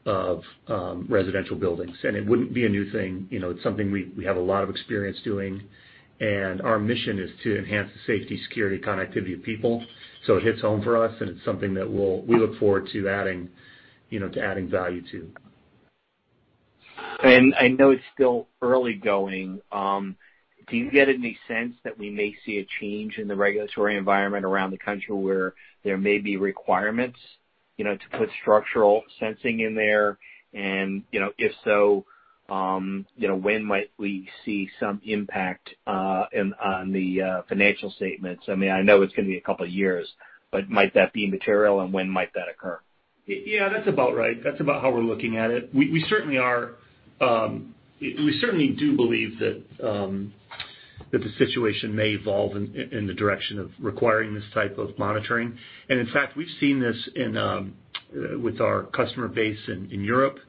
residential buildings. It wouldn't be a new thing. It's something we have a lot of experience doing, and our mission is to enhance the safety, security, connectivity of people. It hits home for us, and it's something that we look forward to adding value to. I know it's still early going. Do you get any sense that we may see a change in the regulatory environment around the country where there may be requirements to put structural sensing in there? If so, when might we see some impact on the financial statements? I know it's going to be a couple of years, but might that be material, and when might that occur? Yeah, that's about right. That's about how we're looking at it. We certainly do believe that the situation may evolve in the direction of requiring this type of monitoring. In fact, we've seen this with our customer base in Europe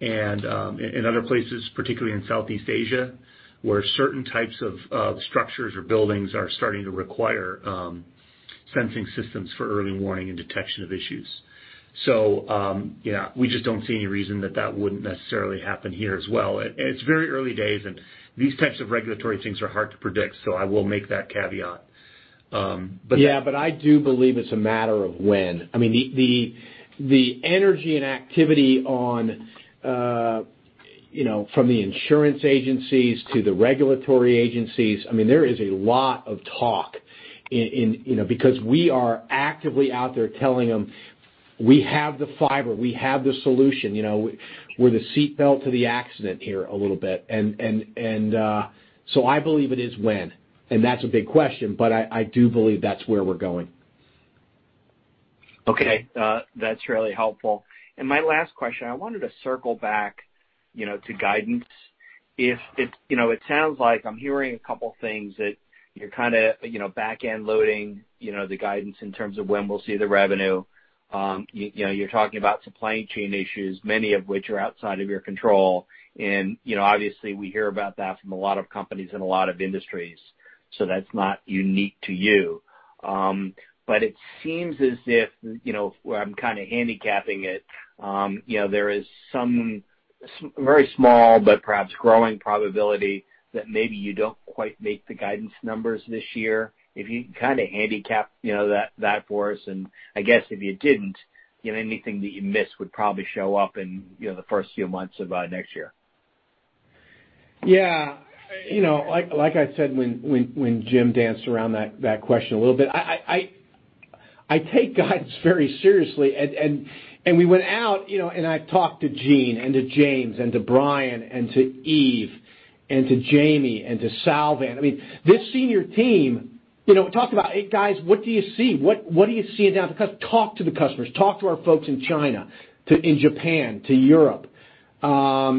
and in other places, particularly in Southeast Asia, where certain types of structures or buildings are starting to require sensing systems for early warning and detection of issues. Yeah, we just don't see any reason that that wouldn't necessarily happen here as well. It's very early days, and these types of regulatory things are hard to predict, so I will make that caveat. I do believe it's a matter of when. The energy and activity from the insurance agencies to the regulatory agencies, there is a lot of talk. We are actively out there telling them we have the fiber, we have the solution. We're the seat belt to the accident here a little bit. I believe it is when, and that's a big question, but I do believe that's where we're going. Okay. That's really helpful. My last question, I wanted to circle back to guidance. It sounds like I'm hearing a couple things that you're kind of back-end loading the guidance in terms of when we'll see the revenue. You're talking about supply chain issues, many of which are outside of your control, and obviously, we hear about that from a lot of companies in a lot of industries, so that's not unique to you. It seems as if I'm kind of handicapping it. There is some very small but perhaps growing probability that maybe you don't quite make the guidance numbers this year. If you can kind of handicap that for us, and I guess if you didn't, anything that you missed would probably show up in the first few months of next year. Yeah. Like I said when Jim danced around that question a little bit, I take guidance very seriously. We went out, and I talked to Gene and to James and to Brian and to Eve and to Jamie and to Salvan. This senior team talked about, "Hey, guys, what do you see? What are you seeing now?" Talk to the customers. Talk to our folks in China, in Japan, to Europe. We're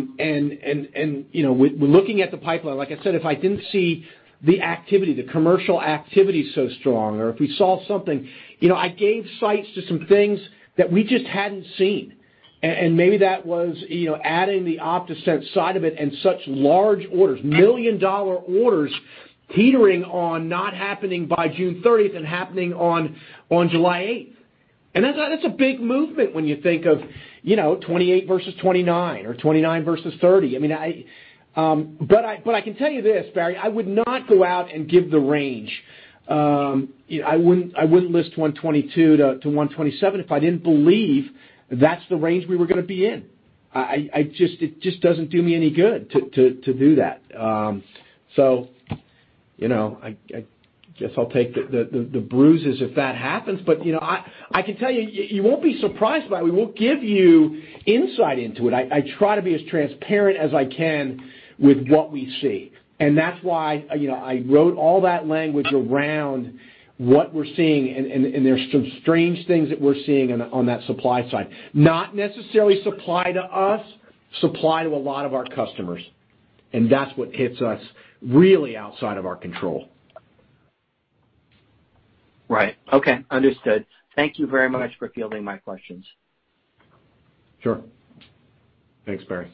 looking at the pipeline. Like I said, if I didn't see the activity, the commercial activity so strong, or if we saw something. I gave sights to some things that we just hadn't seen, and maybe that was adding the OptaSense side of it in such large orders, $1 million orders teetering on not happening by June 30th and happening on July 8th. That's a big movement when you think of 28 versus 29 or 29 versus 30. I can tell you this, Barry Sine, I would not go out and give the range. I wouldn't list $122-$127 if I didn't believe that's the range we were going to be in. It just doesn't do me any good to do that. I guess I'll take the bruises if that happens. I can tell you won't be surprised by it. We will give you insight into it. I try to be as transparent as I can with what we see, and that's why I wrote all that language around what we're seeing, and there's some strange things that we're seeing on that supply side. Not necessarily supply to us, supply to a lot of our customers, and that's what hits us really outside of our control. Right. Okay. Understood. Thank you very much for fielding my questions. Sure. Thanks, Barry.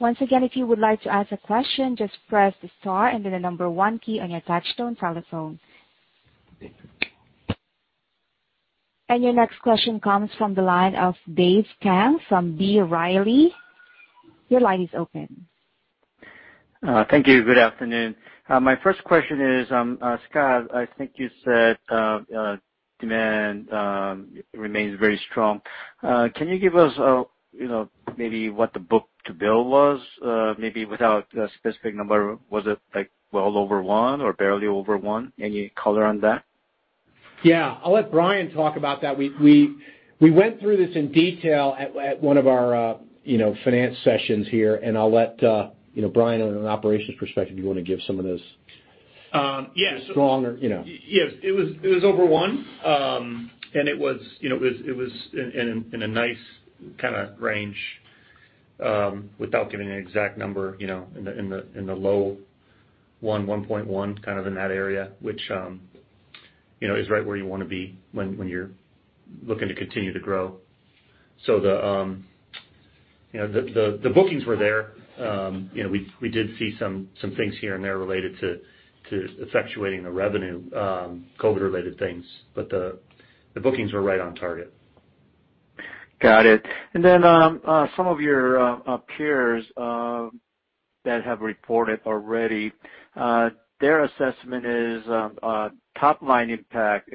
Your next question comes from the line of Dave Kang from B. Riley. Your line is open. Thank you. Good afternoon. My first question is, Scott, I think you said demand remains very strong. Can you give us maybe what the book-to-bill was maybe without a specific number? Was it well over one or barely over one? Any color on that? Yeah, I'll let Brian talk about that. We went through this in detail at one of our finance sessions here. I'll let Brian, on an operations perspective, do you want to give some of those? Yes strong or, you know. Yes. It was over one. It was in a nice kind of range, without giving an exact number, in the low 1.1, kind of in that area, which is right where you want to be when you're looking to continue to grow. The bookings were there. We did see some things here and there related to effectuating the revenue, COVID-related things, the bookings were right on target. Got it. Some of your peers that have reported already, their assessment is top-line impact,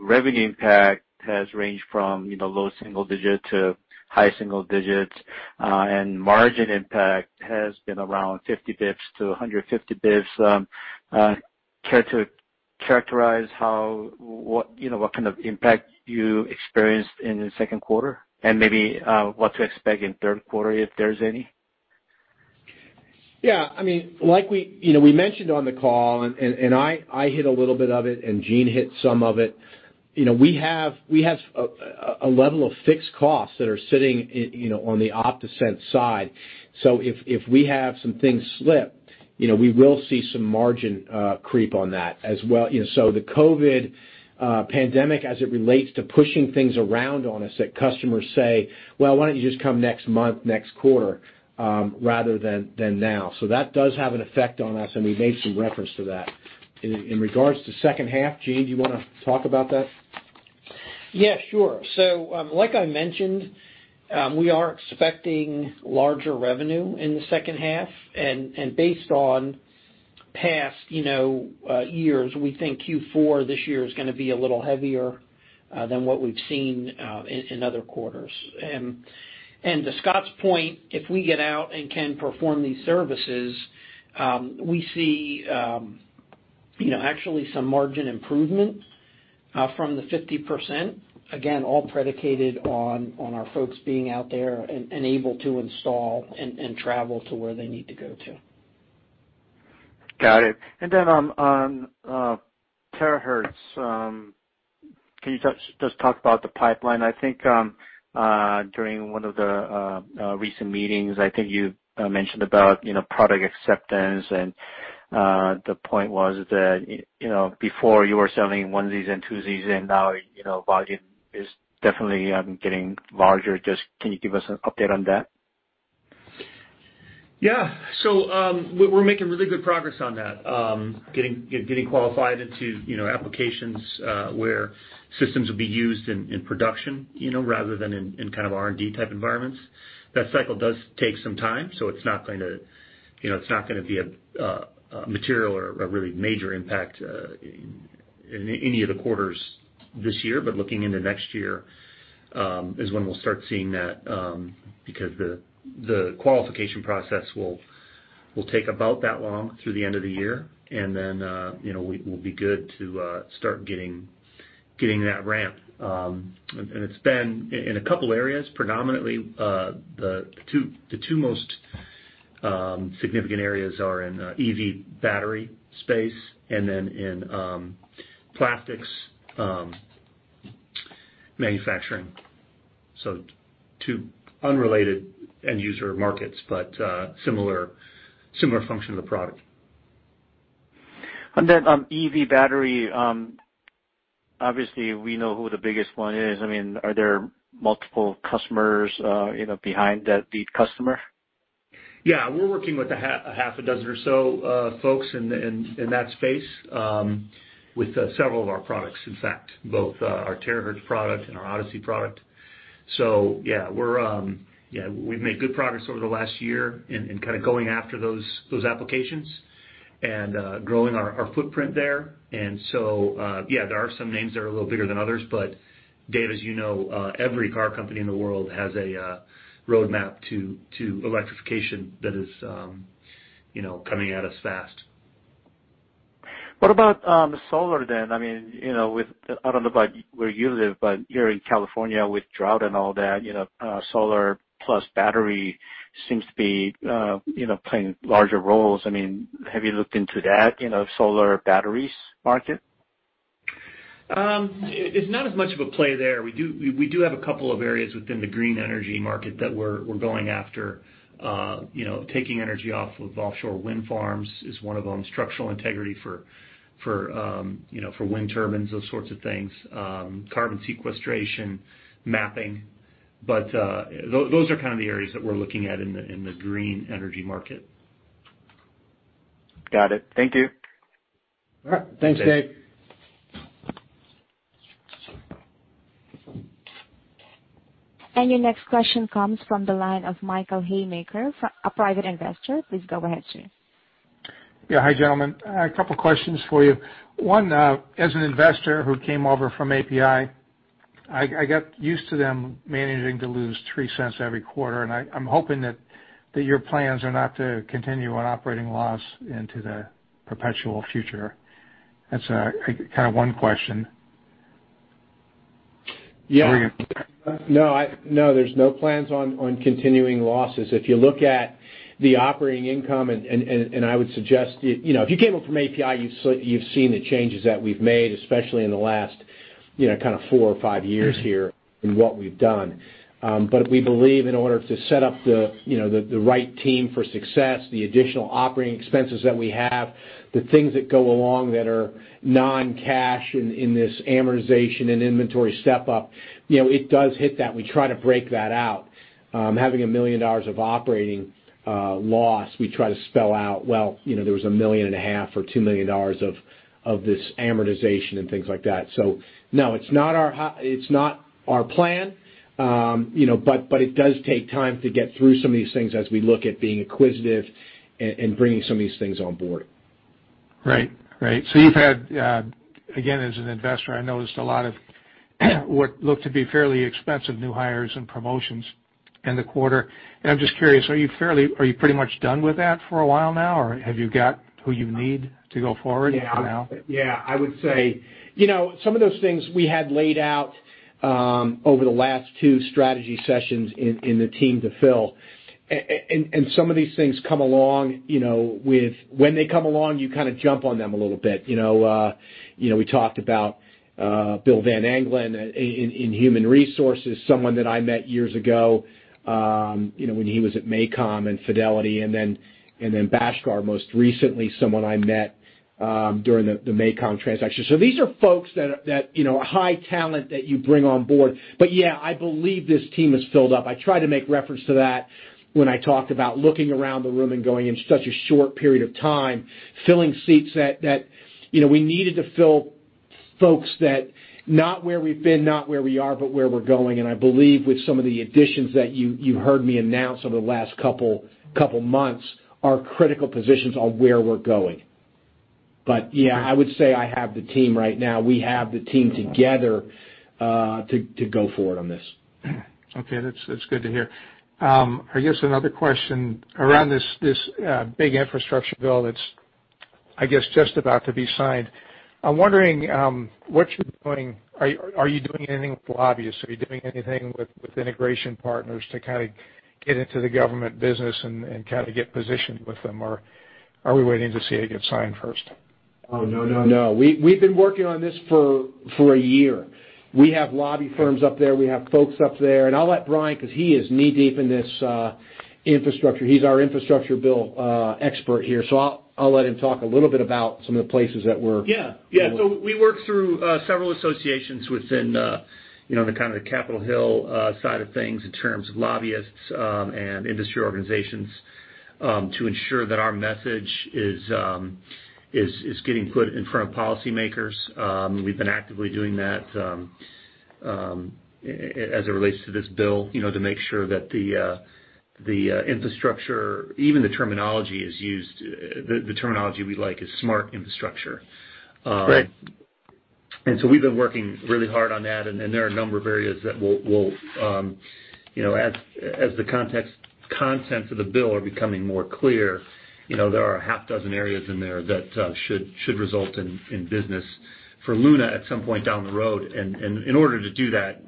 revenue impact has ranged from low single digit to high single digits. Margin impact has been around 50 basis points to 150 basis points. Care to characterize what kind of impact you experienced in the second quarter? Maybe what to expect in third quarter, if there's any? Yeah. We mentioned on the call, and I hit a little bit of it and Gene hit some of it. We have a level of fixed costs that are sitting on the OptaSense side. If we have some things slip, we will see some margin creep on that as well. The COVID pandemic, as it relates to pushing things around on us, that customers say, "Well, why don't you just come next month, next quarter, rather than now?" That does have an effect on us, and we made some reference to that. In regards to second half, Gene, do you want to talk about that? Yeah, sure. Like I mentioned, we are expecting larger revenue in the second half. Based on past years, we think Q4 this year is going to be a little heavier than what we've seen in other quarters. To Scott's point, if we get out and can perform these services, we see actually some margin improvement from the 50%. Again, all predicated on our folks being out there and able to install and travel to where they need to go to. Got it. On terahertz, can you just talk about the pipeline? I think during one of the recent meetings, I think you mentioned about product acceptance and the point was that before you were selling onesies and twosies, and now volume is definitely getting larger. Just can you give us an update on that? Yeah. We're making really good progress on that, getting qualified into applications where systems will be used in production, rather than in kind of R&D type environments. That cycle does take some time, it's not going to be a material or a really major impact in any of the quarters this year. Looking into next year, is when we'll start seeing that, because the qualification process will take about that long through the end of the year. Then we'll be good to start getting that ramp. It's been in a couple areas, predominantly the two most significant areas are in EV battery space and then in plastics manufacturing. Two unrelated end-user markets, but similar function of the product. On EV battery, obviously we know who the biggest one is. Are there multiple customers behind that lead customer? We're working with a half a dozen or so folks in that space, with several of our products, in fact. Both our terahertz product and our ODiSI product. We've made good progress over the last year in kind of going after those applications and growing our footprint there. There are some names that are a little bigger than others, Dave, as you know, every car company in the world has a roadmap to electrification that is coming at us fast. What about solar? I don't know about where you live, but here in California with drought and all that, solar plus battery seems to be playing larger roles. Have you looked into that, solar batteries market? It's not as much of a play there. We do have a couple of areas within the green energy market that we're going after. Taking energy off of offshore wind farms is one of them. Structural integrity for wind turbines, those sorts of things. Carbon sequestration, mapping. Those are kind of the areas that we're looking at in the green energy market. Got it. Thank you. All right. Thanks, Dave. Your next question comes from the line of Michael Haymaker, a private investor. Please go ahead, sir. Hi, gentlemen. A couple questions for you. One, as an investor who came over from API got used to them managing to lose $0.03 every quarter, and I'm hoping that your plans are not to continue on operating loss into the perpetual future. That's one question. Yeah. Are you- There's no plans on continuing losses. If you look at the operating income, I would suggest if you came up from API, you've seen the changes that we've made, especially in the last four or five years here in what we've done. We believe in order to set up the right team for success, the additional operating expenses that we have, the things that go along that are non-cash in this amortization and inventory step-up, it does hit that. We try to break that out. Having a $1 million of operating loss, we try to spell out, well, there was a million and a half or $2 million of this amortization and things like that. It's not our plan, it does take time to get through some of these things as we look at being acquisitive and bringing some of these things on board. Right. You've had, again, as an investor, I noticed a lot of what looked to be fairly expensive new hires and promotions in the quarter. I'm just curious, are you pretty much done with that for a while now, or have you got who you need to go forward for now? Yeah. I would say, some of those things we had laid out over the last two strategy sessions in the team to fill. Some of these things. When they come along, you kind of jump on them a little bit. We talked about Bill Van Anglen in human resources, someone that I met years ago, when he was at MACOM and Fidelity, and then Bhaskar, most recently, someone I met during the MACOM transaction. These are folks that, high talent that you bring on board. Yeah, I believe this team is filled up. I try to make reference to that when I talked about looking around the room and going, in such a short period of time, filling seats that we needed to fill folks that not where we've been, not where we are, but where we're going. I believe with some of the additions that you heard me announce over the last couple months are critical positions on where we're going. Yeah, I would say I have the team right now. We have the team together, to go forward on this. Okay. That's good to hear. I guess another question around this big infrastructure bill that's, I guess, just about to be signed. I'm wondering what you're doing. Are you doing anything with lobbyists? Are you doing anything with integration partners to get into the government business and get positioned with them, or are we waiting to see it get signed first? Oh, no. We've been working on this for a year. We have lobby firms up there. We have folks up there. I'll let Brian, because he is knee-deep in this infrastructure. He's our infrastructure bill expert here. I'll let him talk a little bit about some of the places that we're. Yeah. We work through several associations within the kind of Capitol Hill side of things in terms of lobbyists, and industry organizations, to ensure that our message is getting put in front of policymakers. We've been actively doing that as it relates to this bill, to make sure that the infrastructure, even the terminology is used, the terminology we like is smart infrastructure. Right. We've been working really hard on that, and there are a number of areas that we'll, as the contents of the bill are becoming more clear, there are a half dozen areas in there that should result in business for Luna at some point down the road. In order to do that,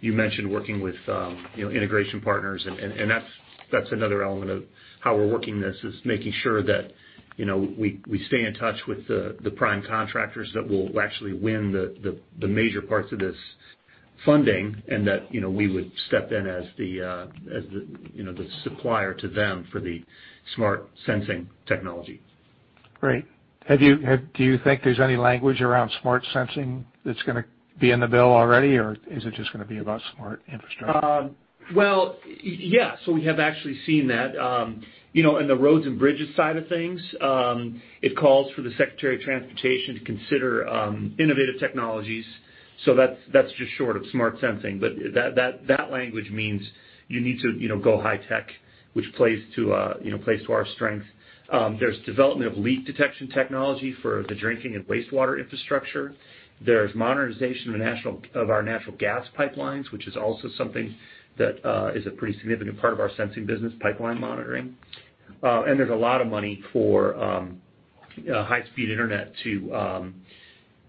you mentioned working with integration partners, and that's another element of how we're working this, is making sure that we stay in touch with the prime contractors that will actually win the major parts of this funding and that we would step in as the supplier to them for the smart sensing technology. Great. Do you think there's any language around smart sensing that's going to be in the bill already, or is it just going to be about smart infrastructure? Well, yeah. We have actually seen that. In the roads and bridges side of things, it calls for the Secretary of Transportation to consider innovative technologies. That's just short of smart sensing. That language means you need to go high tech, which plays to our strength. There's development of leak detection technology for the drinking and wastewater infrastructure. There's modernization of our natural gas pipelines, which is also something that is a pretty significant part of our sensing business pipeline monitoring. There's a lot of money for high-speed internet and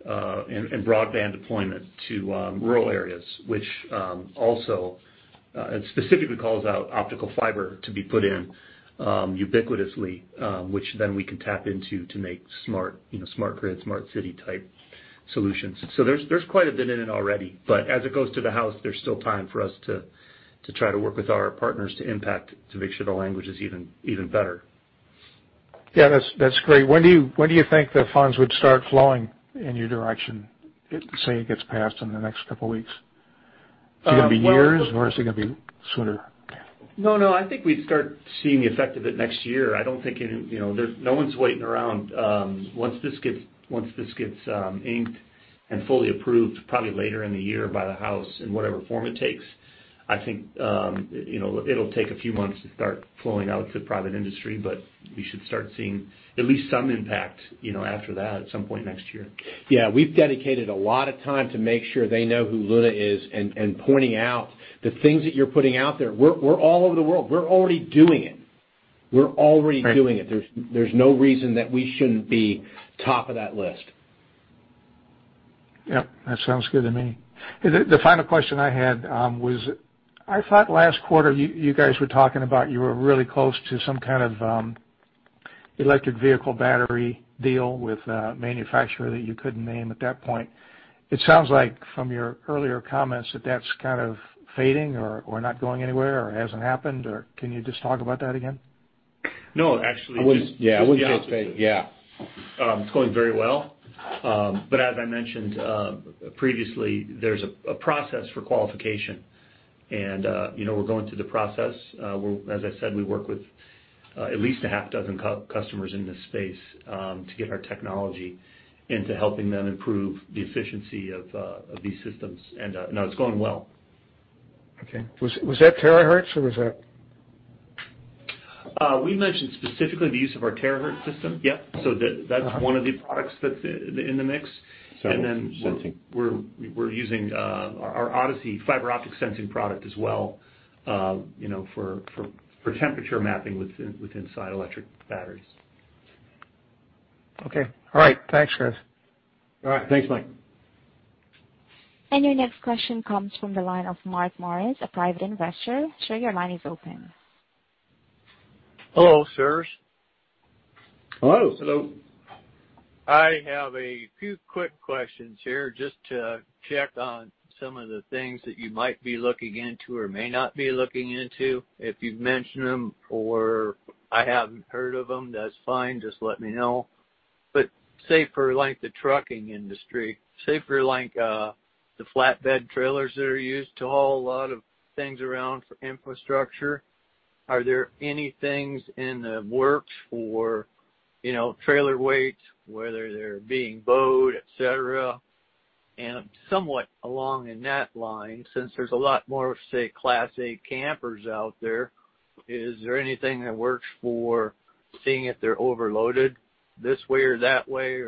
broadband deployment to rural areas, which also specifically calls out optical fiber to be put in ubiquitously, which then we can tap into to make smart grid, smart city type solutions. There's quite a bit in it already. As it goes to the House, there's still time for us to try to work with our partners to impact, to make sure the language is even better. Yeah, that's great. When do you think the funds would start flowing in your direction? Say it gets passed in the next couple of weeks. Is it going to be years, or is it going to be sooner? No, I think we'd start seeing the effect of it next year. No one's waiting around. Once this gets inked and fully approved, probably later in the year by the House, in whatever form it takes, I think it'll take a few months to start flowing out to private industry, but we should start seeing at least some impact after that at some point next year. We've dedicated a lot of time to make sure they know who Luna is and pointing out the things that you're putting out there. We're all over the world. We're already doing it. Right. There's no reason that we shouldn't be top of that list. Yep, that sounds good to me. The final question I had was, I thought last quarter you guys were talking about you were really close to some kind of electric vehicle battery deal with a manufacturer that you couldn't name at that point. It sounds like from your earlier comments that that's kind of fading or not going anywhere or hasn't happened, or can you just talk about that again? No, actually- I wouldn't say it's fading. It's going very well. As I mentioned previously, there's a process for qualification and we're going through the process. As I said, we work with at least a half dozen customers in this space, to get our technology into helping them improve the efficiency of these systems. No, it's going well. Okay. Was that terahertz or was that? We mentioned specifically the use of our terahertz system. That's one of the products that's in the mix. Sensoring. We're using our ODiSI fiber optic sensing product as well for temperature mapping within inside electric batteries. Okay. All right. Thanks, guys. All right. Thanks, Mike. Your next question comes from the line of Mark Morris, a private investor. Sir, your line is open. Hello, sirs. Hello. Hello. I have a few quick questions here just to check on some of the things that you might be looking into or may not be looking into. If you've mentioned them or I haven't heard of them, that's fine, just let me know. Say for the trucking industry, say for the flatbed trailers that are used to haul a lot of things around for infrastructure, are there any things in the works for trailer weights, whether they're being bowed, et cetera? Somewhat along in that line, since there's a lot more, say, class A campers out there, is there anything that works for seeing if they're overloaded this way or that way?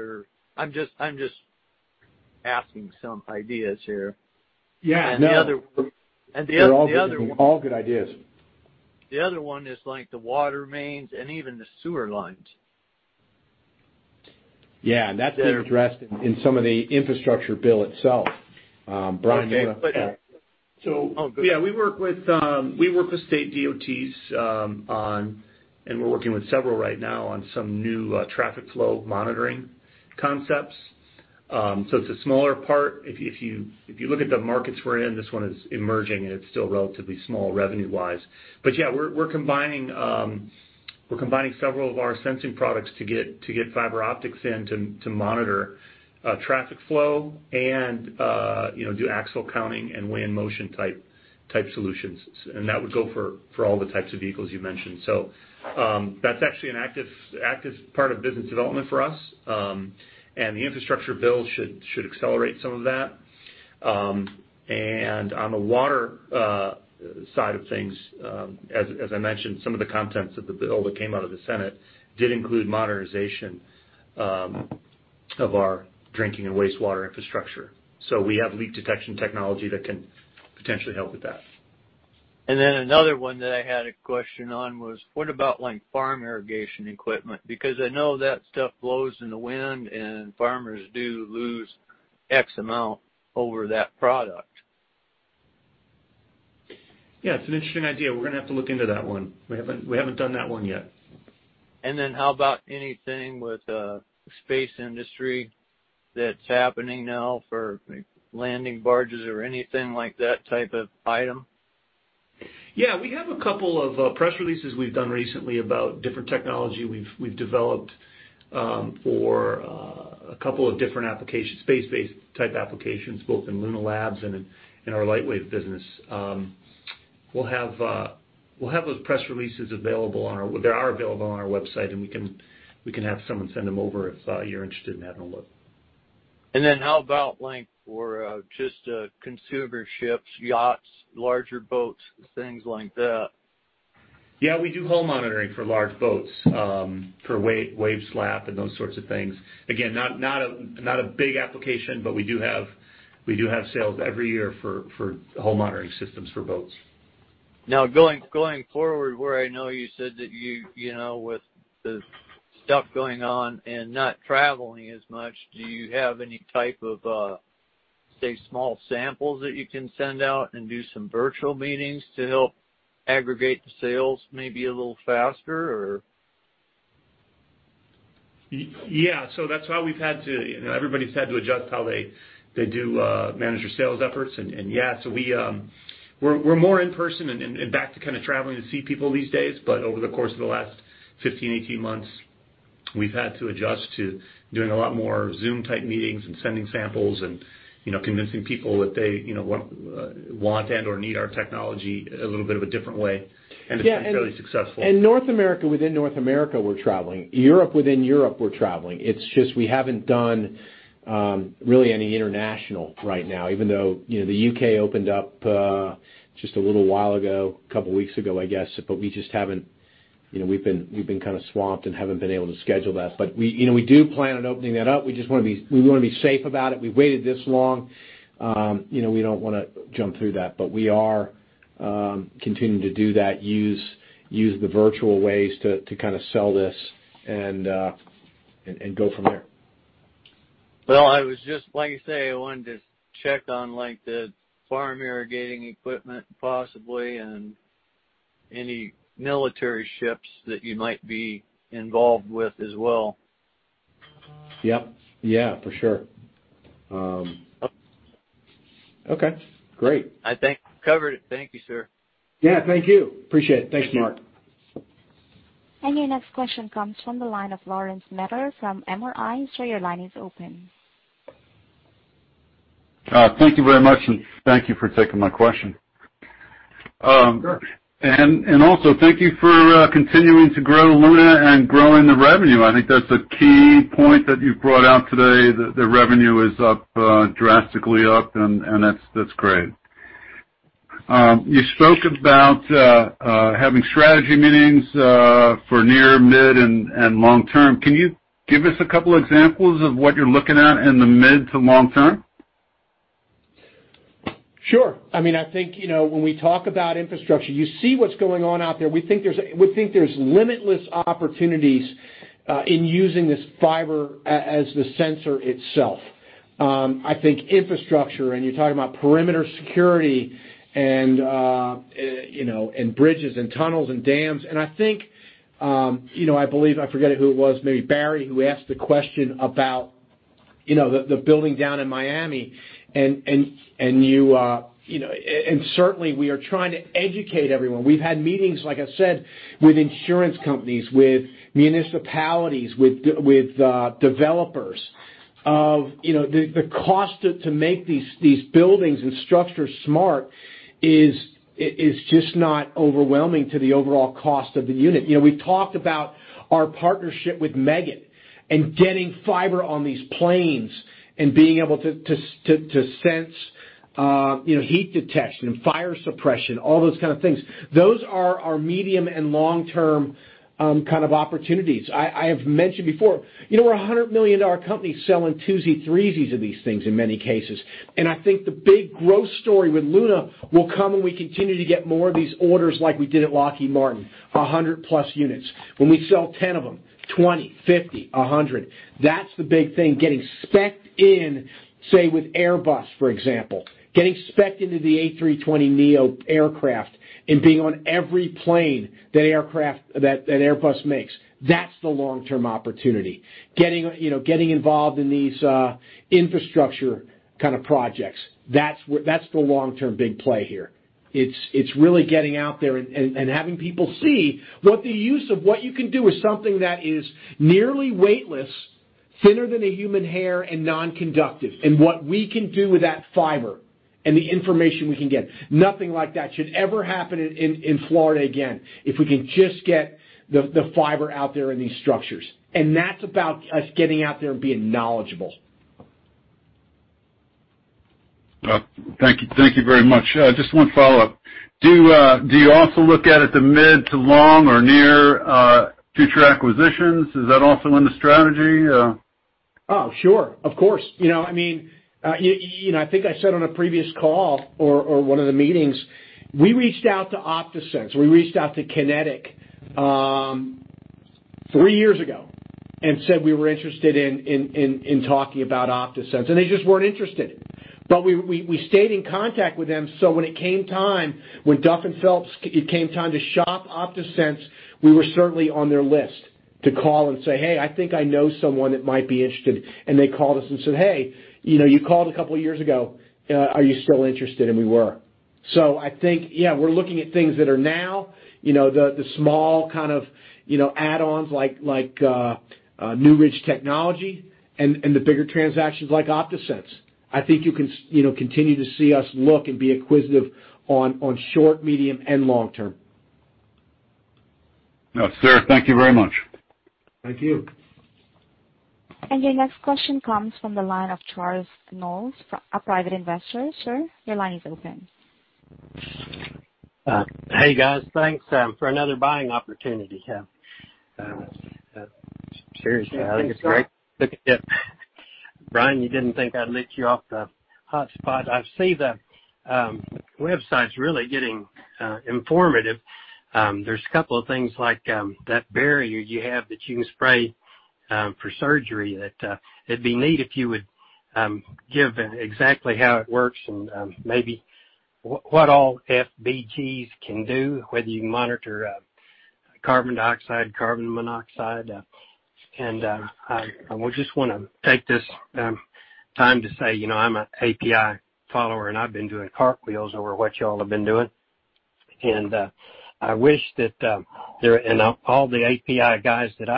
I'm just asking some ideas here. Yeah, no. And the other one- They're all good ideas. The other one is the water mains and even the sewer lines. Yeah. That's been addressed in some of the Infrastructure Bill itself. Brian, do you want to? Yeah. We work with state DOTs, and we're working with several right now on some new traffic flow monitoring concepts. It's a smaller part. If you look at the markets we're in, this one is emerging, and it's still relatively small revenue wise. Yeah, we're combining several of our sensing products to get fiber optics in to monitor traffic flow and do axle counting and weigh-in-motion type solutions. That would go for all the types of vehicles you mentioned. That's actually an active part of business development for us. The infrastructure bill should accelerate some of that. On the water side of things, as I mentioned, some of the contents of the bill that came out of the Senate did include modernization of our drinking and wastewater infrastructure. We have leak detection technology that can potentially help with that. Another one that I had a question on was, what about farm irrigation equipment? I know that stuff blows in the wind and farmers do lose X amount over that product. Yeah, it's an interesting idea. We're gonna have to look into that one. We haven't done that one yet. How about anything with the space industry that's happening now for landing barges or anything like that type of item? Yeah. We have a couple of press releases we've done recently about different technology we've developed, for a couple of different applications, space-based type applications, both in Luna Labs and in our Lightwave business. They are available on our website. We can have someone send them over if you're interested in having a look. How about like for just consumer ships, yachts, larger boats, things like that? Yeah, we do hull monitoring for large boats, for wave slap and those sorts of things. Again, not a big application, but we do have sales every year for hull monitoring systems for boats. Going forward, where I know you said that you, with the stuff going on and not traveling as much, do you have any type of, say, small samples that you can send out and do some virtual meetings to help aggregate the sales maybe a little faster or? Yeah. That's why everybody's had to adjust how they do manage their sales efforts. Yeah. We're more in-person and back to kind of traveling to see people these days. Over the course of the last 15, 18 months, we've had to adjust to doing a lot more Zoom type meetings and sending samples and convincing people that they want and or need our technology a little bit of a different way. It's been fairly successful. North America, within North America, we're traveling. Europe, within Europe, we're traveling. It's just we haven't done really any international right now, even though the U.K. opened up, just a little while ago, couple weeks ago, I guess. We just haven't, we've been kind of swamped and haven't been able to schedule that. We do plan on opening that up. We just want to be safe about it. We waited this long. We don't want to jump through that, but we are continuing to do that, use the virtual ways to kind of sell this and go from there. Well, like you say, I wanted to check on the farm irrigating equipment possibly, and any military ships that you might be involved with as well. Yep. Yeah, for sure. Okay, great. I think we've covered it. Thank you, sir. Yeah, thank you. Appreciate it. Thanks, Mark. Your next question comes from the line of Lawrence Medler from MRI. Sir, your line is open. Thank you very much. Thank you for taking my question. Sure. Also thank you for continuing to grow Luna and growing the revenue. I think that's a key point that you've brought out today, that the revenue is drastically up, and that's great. You spoke about having strategy meetings for near, mid, and long-term. Can you give us a couple examples of what you're looking at in the mid to long-term? Sure. I think, when we talk about infrastructure, you see what's going on out there. We think there's limitless opportunities in using this fiber as the sensor itself. I think infrastructure, and you're talking about perimeter security and bridges and tunnels and dams, and I believe, I forget who it was, maybe Barry, who asked the question about the building down in Miami. Certainly, we are trying to educate everyone. We've had meetings, like I said, with insurance companies, with municipalities, with developers. The cost to make these buildings and structures smart is just not overwhelming to the overall cost of the unit. We've talked about our partnership with Meggitt and getting fiber on these planes and being able to sense heat detection and fire suppression, all those kind of things. Those are our medium and long-term kind of opportunities. I have mentioned before, we're a $100 million company selling twosie-threesies of these things in many cases. I think the big growth story with Luna will come when we continue to get more of these orders like we did at Lockheed Martin, 100-plus units. When we sell 10 of them, 20, 50, 100, that's the big thing, getting spec'd in, say, with Airbus, for example. Getting spec'd into the A320neo aircraft and being on every plane that Airbus makes. That's the long-term opportunity. Getting involved in these infrastructure kind of projects. That's the long-term big play here. It's really getting out there and having people see what the use of what you can do with something that is nearly weightless, thinner than a human hair, and non-conductive, and what we can do with that fiber and the information we can get. Nothing like that should ever happen in Florida again if we can just get the fiber out there in these structures. That's about us getting out there and being knowledgeable. Thank you. Thank you very much. Just one follow-up. Do you also look at it the mid to long or near future acquisitions? Is that also in the strategy? Oh, sure. Of course. I think I said on a previous call or one of the meetings, we reached out to OptaSense, we reached out to QinetiQ three years ago and said we were interested in talking about OptaSense, and they just weren't interested. We stayed in contact with them, so when it came time, when Duff & Phelps, it came time to shop OptaSense, we were certainly on their list to call and say, "Hey, I think I know someone that might be interested." They called us and said, "Hey, you called a couple of years ago. Are you still interested?" We were. I think, yeah, we're looking at things that are now the small kind of add-ons like New Ridge Technologies and the bigger transactions like OptaSense. I think you can continue to see us look and be acquisitive on short, medium, and long term. Yes, sir. Thank you very much. Thank you. Your next question comes from the line of Charles Mills, a private investor. Sir, your line is open. Hey, guys. Thanks for another buying opportunity. Seriously, I think it's great. You think so? Brian, you didn't think I'd let you off the hot spot. I see the website's really getting informative. There's a couple of things like that barrier you have that you can spray for surgery that it'd be neat if you would give exactly how it works and maybe what all FBGs can do, whether you can monitor carbon dioxide, carbon monoxide. I just want to take this time to say, I'm an API follower, and I've been doing cartwheels over what y'all have been doing. All the API guys that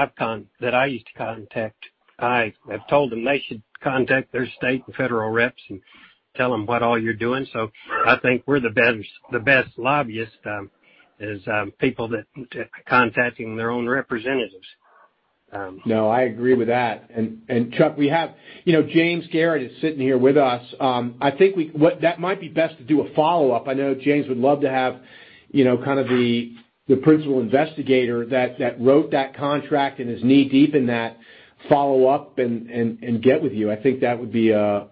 I used to contact, I have told them they should contact their state and federal reps and tell them what all you're doing. I think we're the best lobbyists, is people that, contacting their own representatives. No, I agree with that. Chuck, we have James Garrett is sitting here with us. I think that might be best to do a follow-up. I know James would love to kind of the principal investigator that wrote that contract and is knee-deep in that follow up and get with you. I think that would be a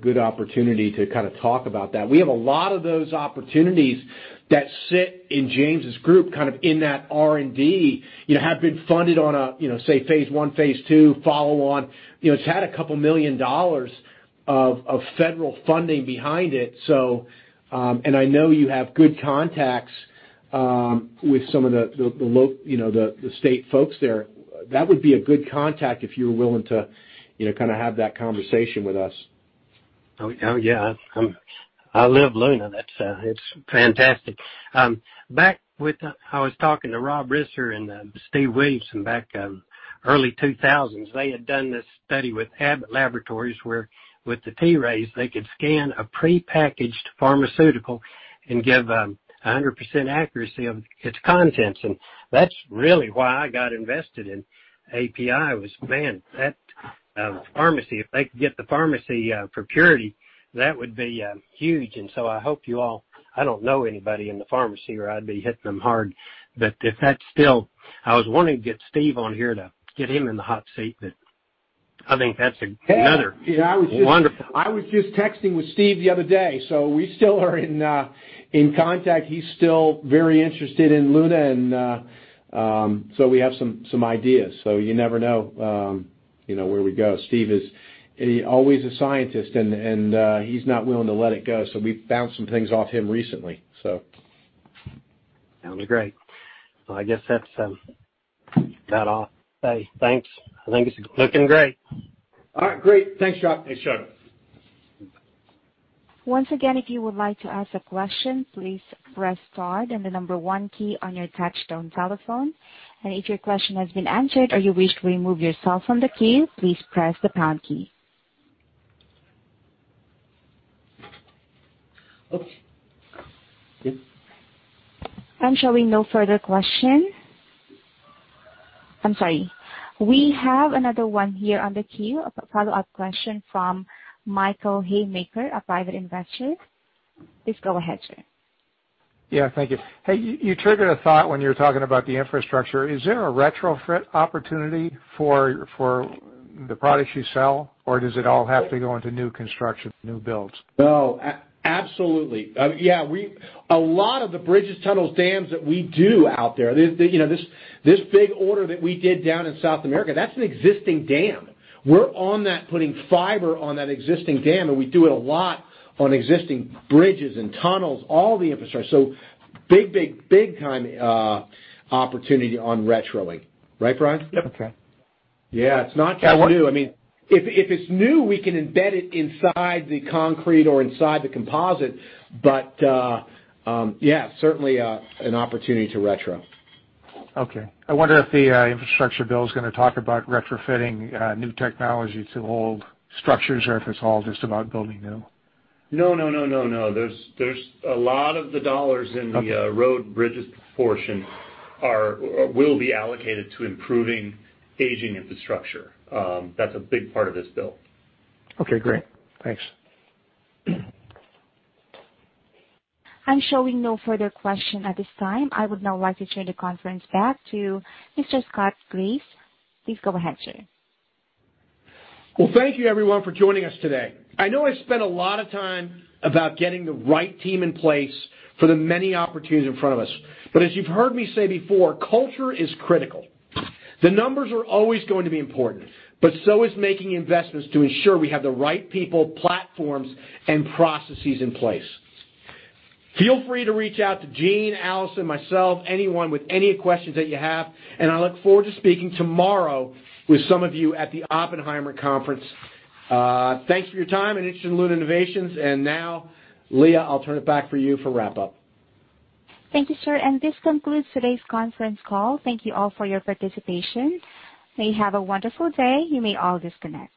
good opportunity to talk about that. We have a lot of those opportunities that sit in James' group, kind of in that R&D, have been funded on a say, phase 1, phase 2 follow on. It's had a couple million dollars of federal funding behind it. I know you have good contacts with some of the state folks there. That would be a good contact if you're willing to have that conversation with us. Oh, yeah. I live Luna. It's fantastic. I was talking to Rob Risser and Steve Williamson back early 2000s. They had done this study with Abbott Laboratories where with the T-Rays, they could scan a prepackaged pharmaceutical and give 100% accuracy of its contents. That's really why I got invested in API was, man, that pharmacy, if they could get the pharmacy for purity, that would be huge. I hope you all I don't know anybody in the pharmacy or I'd be hitting them hard. If that's still I was wanting to get Steve on here to get him in the hot seat, but I think that's another wonderful. Hey, I was just texting with Steve the other day, so we still are in contact. He's still very interested in Luna, and so we have some ideas. You never know where we go. Steve is always a scientist, and he's not willing to let it go. We've bounced some things off him recently. Sounds great. Well, I guess that's about all. Hey, thanks. I think it's looking great. All right, great. Thanks, John. Hey, sure. Once again, if you would like to ask a question, please press star then the 1 key on your touch-tone telephone. If your question has been answered or you wish to remove yourself from the queue, please press the pound key. I'm showing no further question. I'm sorry. We have another one here on the queue, a follow-up question from Michael Haymaker, a private investor. Please go ahead, sir. Thank you. You triggered a thought when you were talking about the infrastructure. Is there a retrofit opportunity for the products you sell, or does it all have to go into new construction, new builds? No, absolutely. Yeah, a lot of the bridges, tunnels, dams that we do out there. This big order that we did down in South America, that's an existing dam. We're on that, putting fiber on that existing dam, and we do it a lot on existing bridges and tunnels, all the infrastructure. Big time opportunity on retroing, right, Brian? Yep. Yeah, it's not just new. If it's new, we can embed it inside the concrete or inside the composite. Yeah, certainly an opportunity to retro. Okay. I wonder if the Infrastructure Bill is going to talk about retrofitting new technology to old structures or if it's all just about building new. No. There's a lot of the dollars in the road and bridges portion will be allocated to improving aging infrastructure. That's a big part of this bill. Okay, great. Thanks. I'm showing no further question at this time. I would now like to turn the conference back to Mr. Scott Graeff. Please go ahead, sir. Well, thank you everyone for joining us today. I know I spent a lot of time about getting the right team in place for the many opportunities in front of us. As you've heard me say before, culture is critical. The numbers are always going to be important, but so is making investments to ensure we have the right people, platforms, and processes in place. Feel free to reach out to Gene, Allison, myself, anyone with any questions that you have, and I look forward to speaking tomorrow with some of you at the Oppenheimer conference. Thanks for your time and interest in Luna Innovations. Now, Leah, I'll turn it back for you for wrap up. Thank you, sir. This concludes today's conference call. Thank you all for your participation. May you have a wonderful day. You may all disconnect.